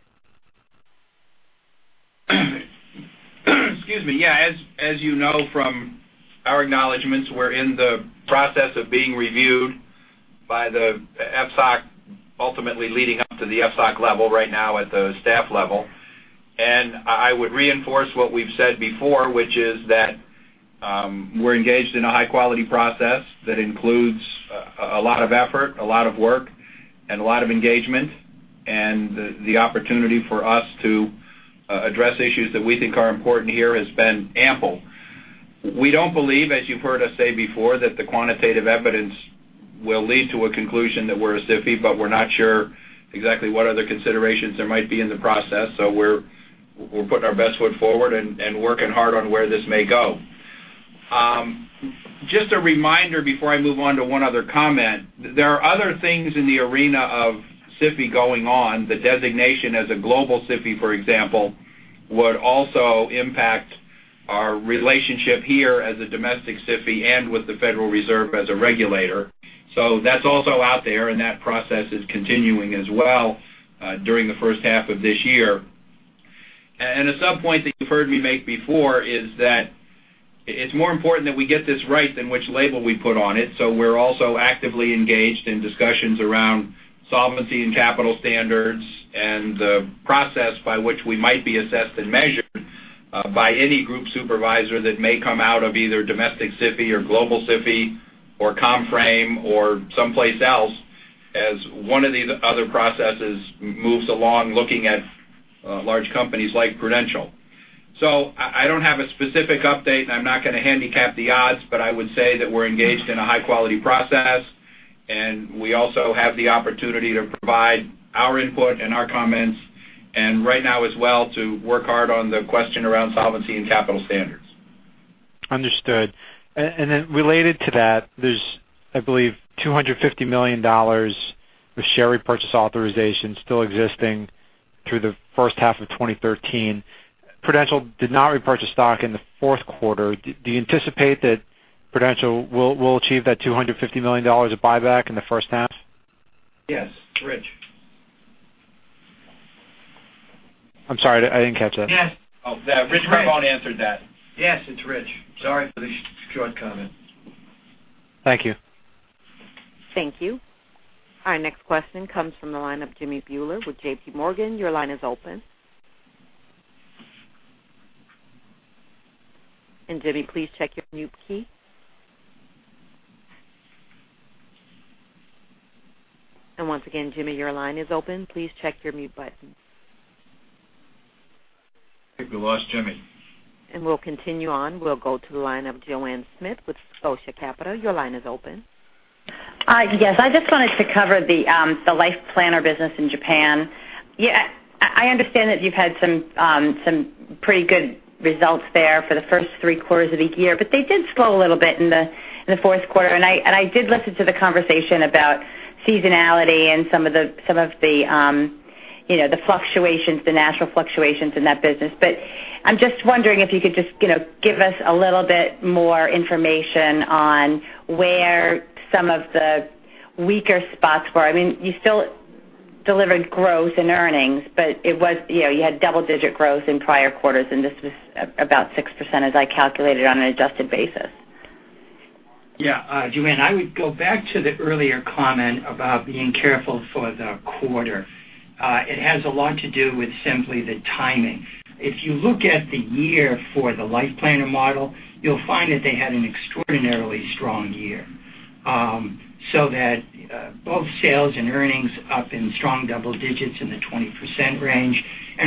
Excuse me. Yeah. As you know from our acknowledgments, we're in the process of being reviewed by the FSOC, ultimately leading up to the FSOC level right now at the staff level. I would reinforce what we've said before, which is that we're engaged in a high-quality process that includes a lot of effort, a lot of work, and a lot of engagement. The opportunity for us to address issues that we think are important here has been ample. We don't believe, as you've heard us say before, that the quantitative evidence will lead to a conclusion that we're a SIFI, we're not sure exactly what other considerations there might be in the process. We're putting our best foot forward and working hard on where this may go. Just a reminder before I move on to one other comment. There are other things in the arena of SIFI going on. The designation as a global SIFI, for example, would also impact our relationship here as a domestic SIFI and with the Federal Reserve as a regulator. That's also out there, and that process is continuing as well during the first half of this year. A subpoint that you've heard me make before is that it's more important that we get this right than which label we put on it. We're also actively engaged in discussions around solvency and capital standards, and the process by which we might be assessed and measured by any group supervisor that may come out of either domestic SIFI or global SIFI or ComFrame or someplace else as one of these other processes moves along looking at large companies like Prudential. I don't have a specific update, and I'm not going to handicap the odds, but I would say that we're engaged in a high-quality process, and we also have the opportunity to provide our input and our comments, and right now as well to work hard on the question around solvency and capital standards. Understood. Related to that, there's, I believe, $250 million of share repurchase authorization still existing through the first half of 2013. Prudential did not repurchase stock in the fourth quarter. Do you anticipate that Prudential will achieve that $250 million of buyback in the first half? Yes. It's Rich? I'm sorry, I didn't catch that. Yes. Oh, Rich Carbone answered that. Yes, it's Rich. Sorry for the short comment. Thank you. Thank you. Our next question comes from the line of Jimmy Bhullar with J.P. Morgan. Your line is open. Jimmy, please check your mute key. Once again, Jimmy, your line is open. Please check your mute button. I think we lost Jimmy. We'll continue on. We'll go to the line of Joanne Smith with Scotia Capital. Your line is open. Hi. Yes. I just wanted to cover the Life Planner business in Japan. I understand that you've had some pretty good results there for the first three quarters of the year, but they did slow a little bit in the fourth quarter. I did listen to the conversation about seasonality and some of the natural fluctuations in that business. I'm just wondering if you could just give us a little bit more information on where some of the weaker spots were. You still delivered growth in earnings, but you had double-digit growth in prior quarters, and this was about 6%, as I calculated on an adjusted basis. Yeah. Joanne, I would go back to the earlier comment about being careful for the quarter. It has a lot to do with simply the timing. If you look at the year for the Life Planner model, you'll find that they had an extraordinarily strong year, so that both sales and earnings up in strong double digits in the 20% range.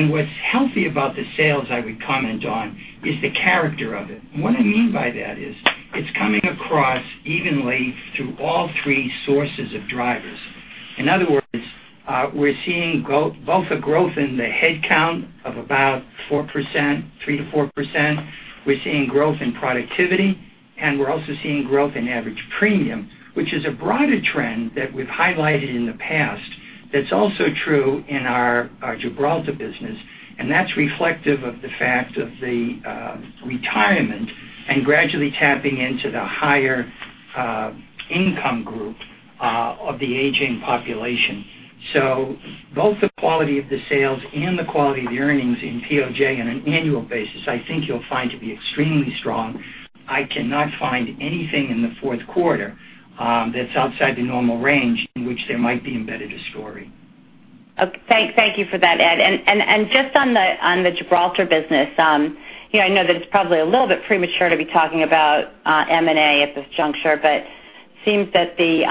What's healthy about the sales I would comment on is the character of it. What I mean by that is it's coming across evenly through all three sources of drivers. In other words, we're seeing both a growth in the headcount of about 3%-4%. We're seeing growth in productivity, and we're also seeing growth in average premium, which is a broader trend that we've highlighted in the past that's also true in our Gibraltar business, and that's reflective of the fact of the retirement and gradually tapping into the higher income group of the aging population. Both the quality of the sales and the quality of the earnings in POJ on an annual basis, I think you'll find to be extremely strong. I cannot find anything in the fourth quarter that's outside the normal range in which there might be embedded a story. Okay. Thank you for that, Ed. Just on the Gibraltar business, I know that it's probably a little bit premature to be talking about M&A at this juncture, but it seems that the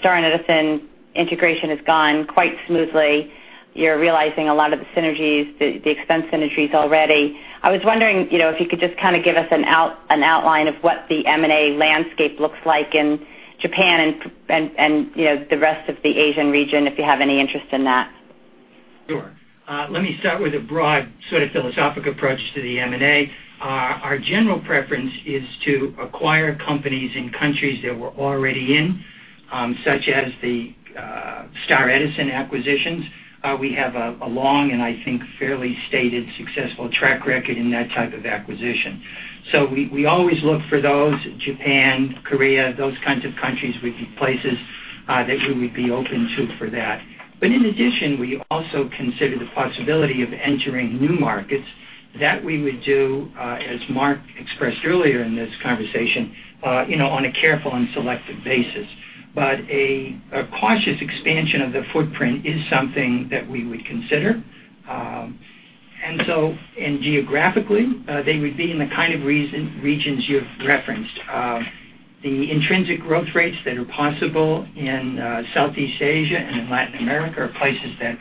Star Edison integration has gone quite smoothly. You're realizing a lot of the expense synergies already. I was wondering if you could just give us an outline of what the M&A landscape looks like in Japan and the rest of the Asian region, if you have any interest in that. Sure. Let me start with a broad sort of philosophical approach to the M&A. Our general preference is to acquire companies in countries that we're already in, such as the Star Edison acquisitions. We have a long, and I think, fairly stated successful track record in that type of acquisition. We always look for those, Japan, Korea, those kinds of countries would be places that we would be open to for that. In addition, we also consider the possibility of entering new markets. That we would do, as Mark expressed earlier in this conversation on a careful and selective basis. A cautious expansion of the footprint is something that we would consider. Geographically, they would be in the kind of regions you've referenced. The intrinsic growth rates that are possible in Southeast Asia and in Latin America are places that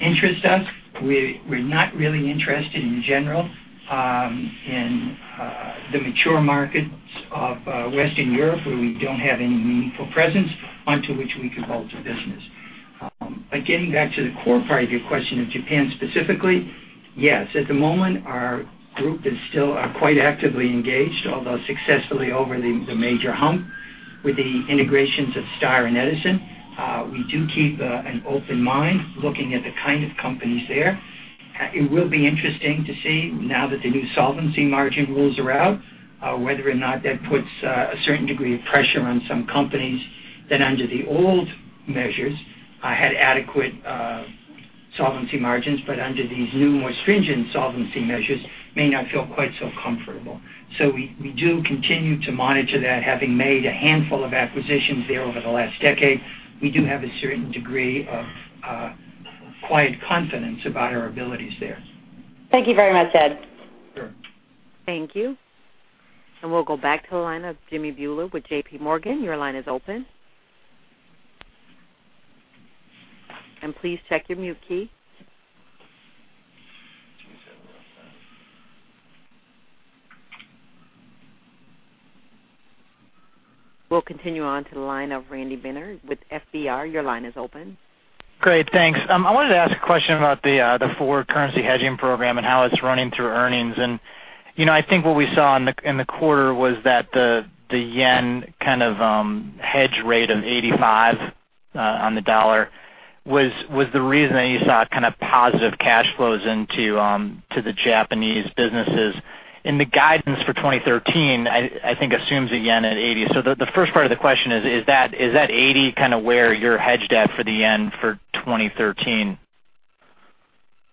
interest us. We're not really interested in general in the mature markets of Western Europe where we don't have any meaningful presence onto which we could bolt a business. Getting back to the core part of your question of Japan specifically, yes, at the moment, our group is still quite actively engaged, although successfully over the major hump with the integrations of Star and Edison. We do keep an open mind looking at the kind of companies there. It will be interesting to see now that the new solvency margin rules are out, whether or not that puts a certain degree of pressure on some companies that under the old measures had adequate solvency margins, but under these new, more stringent solvency measures, may not feel quite so comfortable. We do continue to monitor that, having made a handful of acquisitions there over the last decade. We do have a certain degree of quiet confidence about our abilities there. Thank you very much, Ed. Sure. Thank you. We'll go back to the line of Jimmy Bhullar with J.P. Morgan. Your line is open. Please check your mute key. We'll continue on to the line of Randy Binner with FBR. Your line is open. Great, thanks. I wanted to ask a question about the forward currency hedging program and how it's running through earnings. I think what we saw in the quarter was that the yen kind of hedge rate of 85 on the dollar was the reason that you saw kind of positive cash flows into the Japanese businesses. In the guidance for 2013, I think assumes the yen at 80. The first part of the question is that 80 kind of where you're hedged at for the yen for 2013?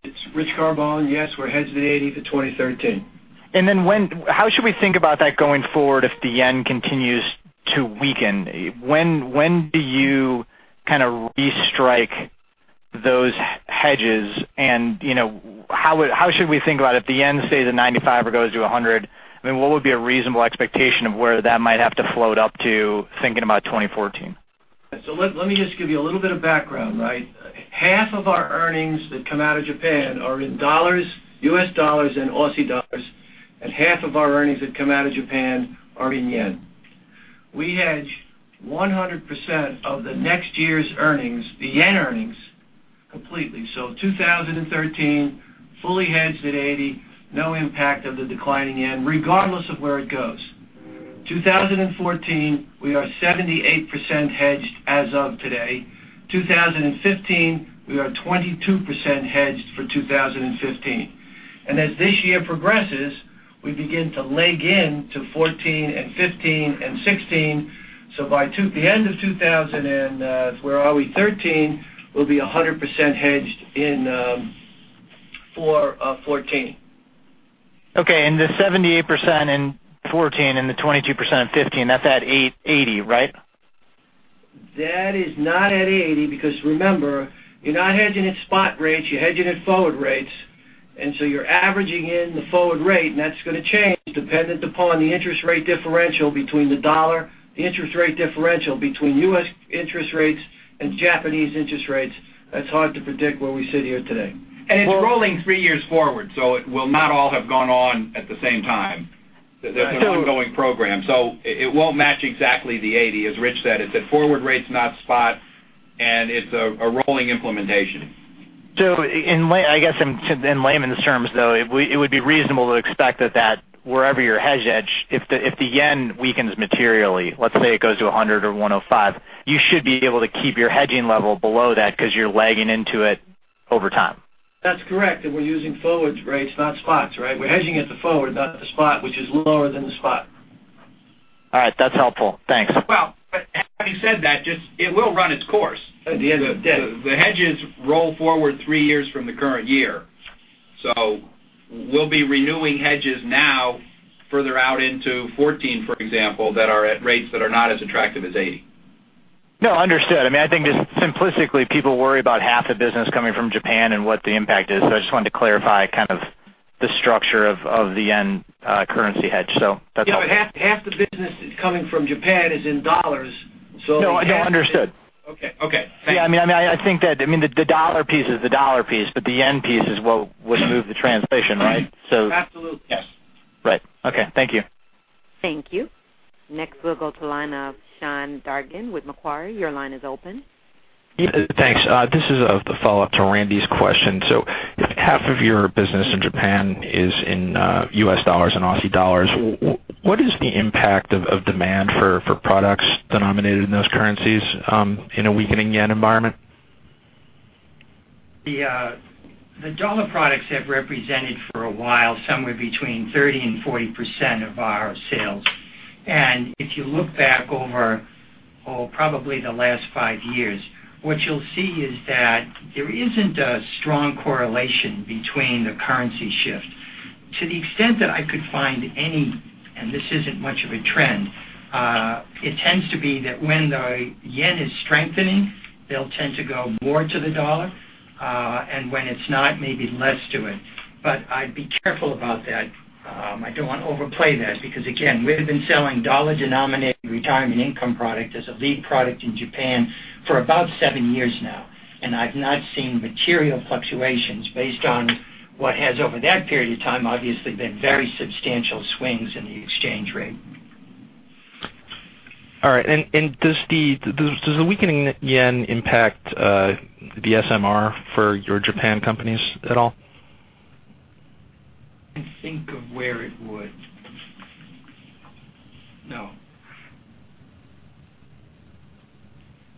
It's Rich Carbone. Yes, we're hedged at 80 for 2013. How should we think about that going forward if the JPY continues to weaken? When do you kind of restrike those hedges and how should we think about if the JPY stays at 95 or goes to 100, what would be a reasonable expectation of where that might have to float up to thinking about 2014? Let me just give you a little bit of background, right? Half of our earnings that come out of Japan are in dollars, U.S. dollars and AUD, and half of our earnings that come out of Japan are in JPY. We hedge 100% of the next year's earnings, the JPY earnings, completely. 2013, fully hedged at 80, no impact of the declining JPY, regardless of where it goes. 2014, we are 78% hedged as of today. 2015, we are 22% hedged for 2015. As this year progresses, we begin to leg in to 2014 and 2015 and 2016. By the end of 2013, we'll be 100% hedged for 2014. Okay, the 78% in 2014 and the 22% in 2015, that's at 80, right? That is not at 80 because remember, you're not hedging at spot rates, you're hedging at forward rates. You're averaging in the forward rate, and that's going to change dependent upon the interest rate differential between the U.S. dollar, the interest rate differential between U.S. interest rates and Japanese interest rates. That's hard to predict where we sit here today. It's rolling three years forward, so it will not all have gone on at the same time. That's an ongoing program. It won't match exactly the 80. As Rich said, it's at forward rates, not spot, and it's a rolling implementation. I guess in layman's terms, though, it would be reasonable to expect that wherever your hedge at, if the JPY weakens materially, let's say it goes to 100 or 105, you should be able to keep your hedging level below that because you're legging into it over time. That's correct, we're using forward rates, not spots, right? We're hedging at the forward, not the spot, which is lower than the spot. All right, that's helpful. Thanks. Well, having said that, it will run its course. At the end of the day. The hedges roll forward three years from the current year. We'll be renewing hedges now further out into 2014, for example, that are at rates that are not as attractive as 80. No, understood. I think just simplistically, people worry about half the business coming from Japan and what the impact is. I just wanted to clarify kind of the structure of the yen currency hedge. That's all. Yeah, half the business coming from Japan is in dollars. No, understood. Okay. Thank you. Yeah, I think that the dollar piece is the dollar piece, but the yen piece is what would move the translation, right? Absolutely. Yes. Right. Okay. Thank you. Thank you. Next, we'll go to the line of Sean Dargan with Macquarie. Your line is open. Yeah, thanks. This is the follow-up to Randy's question. If half of your business in Japan is in US dollars and AUD, what is the impact of demand for products denominated in those currencies in a weakening yen environment? The dollar products have represented for a while somewhere between 30% and 40% of our sales. If you look back over, probably the last five years, what you'll see is that there isn't a strong correlation between the currency shift. To the extent that I could find any, this isn't much of a trend, it tends to be that when the yen is strengthening, they'll tend to go more to the dollar, when it's not, maybe less to it. I'd be careful about that. I don't want to overplay that because, again, we have been selling dollar-denominated retirement income product as a lead product in Japan for about seven years now, I've not seen material fluctuations based on what has over that period of time, obviously been very substantial swings in the exchange rate. All right. Does the weakening yen impact the SMR for your Japan companies at all? I'm trying to think of where it would. No.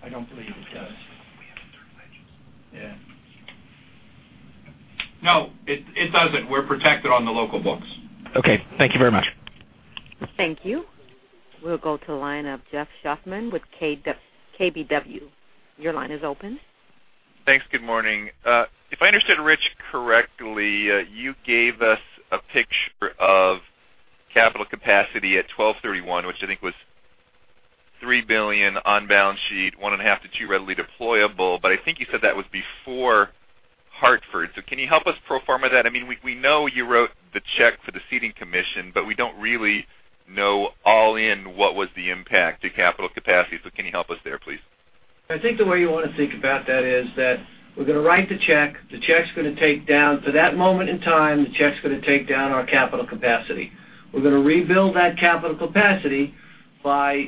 I don't believe it does. We have FX hedges. Yeah. No, it doesn't. We're protected on the local books. Okay. Thank you very much. Thank you. We'll go to the line of Ryan Krueger with KBW. Your line is open. Thanks. Good morning. If I understood Rich correctly, you gave us a picture of capital capacity at 12/31, which I think was $3 billion on balance sheet, $1.5 billion-$2 billion readily deployable. I think you said that was before Hartford. Can you help us pro forma that? We know you wrote the check for the ceding commission, but we don't really know all in what was the impact to capital capacity. Can you help us there, please? I think the way you want to think about that is that we're going to write the check. To that moment in time, the check's going to take down our capital capacity. We're going to rebuild that capital capacity by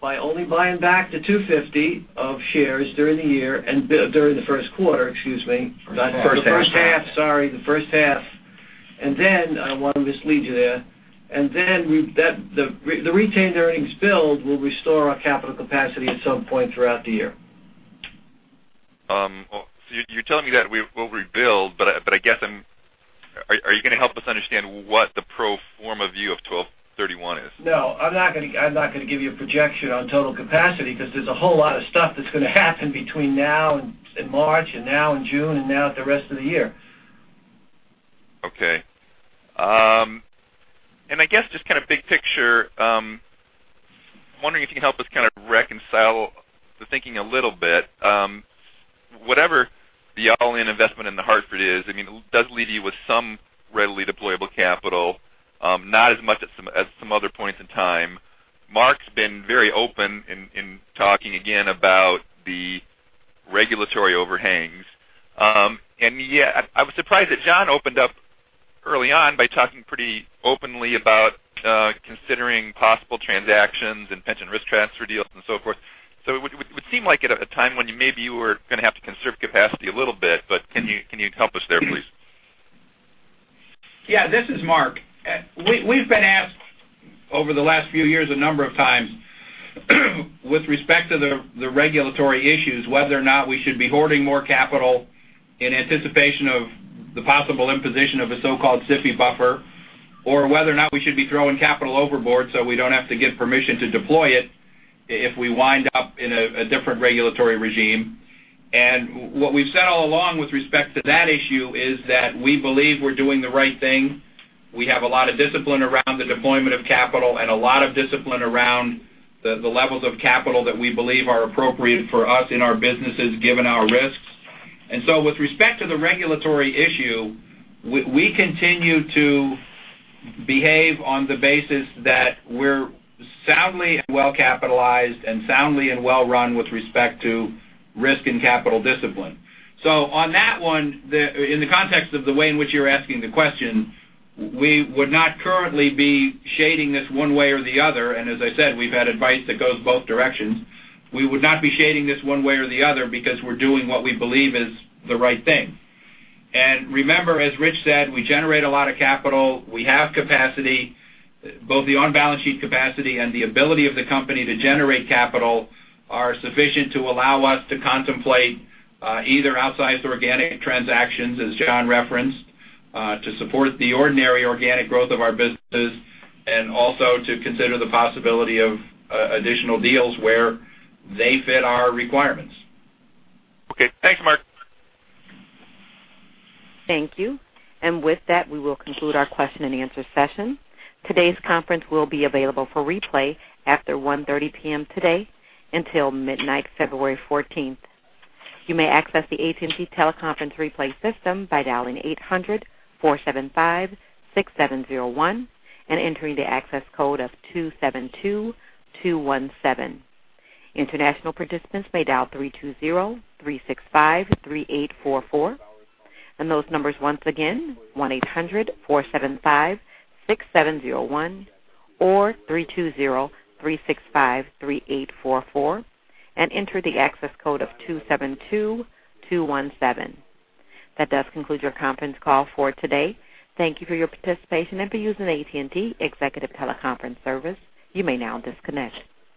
only buying back the 250 of shares during the first quarter. First half. The first half, sorry. I don't want to mislead you there. The retained earnings build will restore our capital capacity at some point throughout the year. You're telling me that we'll rebuild, but are you going to help us understand what the pro forma view of 1231 is? No, I'm not going to give you a projection on total capacity because there's a whole lot of stuff that's going to happen between now and March and now and June and now at the rest of the year. Okay. I guess just kind of big picture, I'm wondering if you can help us kind of reconcile the thinking a little bit. Whatever the all-in investment in The Hartford is, it does leave you with some readily deployable capital, not as much at some other points in time. Mark's been very open in talking again about the regulatory overhangs. Yet I was surprised that John opened up early on by talking pretty openly about considering possible transactions and pension risk transfer deals and so forth. It would seem like at a time when maybe you were going to have to conserve capacity a little bit. Can you help us there, please? Yeah, this is Mark. We've been asked over the last few years a number of times with respect to the regulatory issues, whether or not we should be hoarding more capital in anticipation of the possible imposition of a so-called SIFI buffer, or whether or not we should be throwing capital overboard so we don't have to get permission to deploy it if we wind up in a different regulatory regime. What we've said all along with respect to that issue is that we believe we're doing the right thing. We have a lot of discipline around the deployment of capital and a lot of discipline around the levels of capital that we believe are appropriate for us in our businesses, given our risks. With respect to the regulatory issue, we continue to behave on the basis that we're soundly and well capitalized and soundly and well run with respect to risk and capital discipline. On that one, in the context of the way in which you're asking the question, we would not currently be shading this one way or the other. As I said, we've had advice that goes both directions. We would not be shading this one way or the other because we're doing what we believe is the right thing. Remember, as Rich said, we generate a lot of capital. We have capacity. Both the on-balance sheet capacity and the ability of the company to generate capital are sufficient to allow us to contemplate either outsized organic transactions, as John referenced, to support the ordinary organic growth of our businesses, and also to consider the possibility of additional deals where they fit our requirements. Okay. Thanks, Mark. Thank you. With that, we will conclude our question and answer session. Today's conference will be available for replay after 1:30 P.M. today until midnight February 14th. You may access the AT&T teleconference replay system by dialing 800-475-6701 and entering the access code of 272217. International participants may dial 320-365-3844. Those numbers once again, 1-800-475-6701 or 320-365-3844, and enter the access code of 272217. That does conclude your conference call for today. Thank you for your participation and for using the AT&T Executive Teleconference Service. You may now disconnect.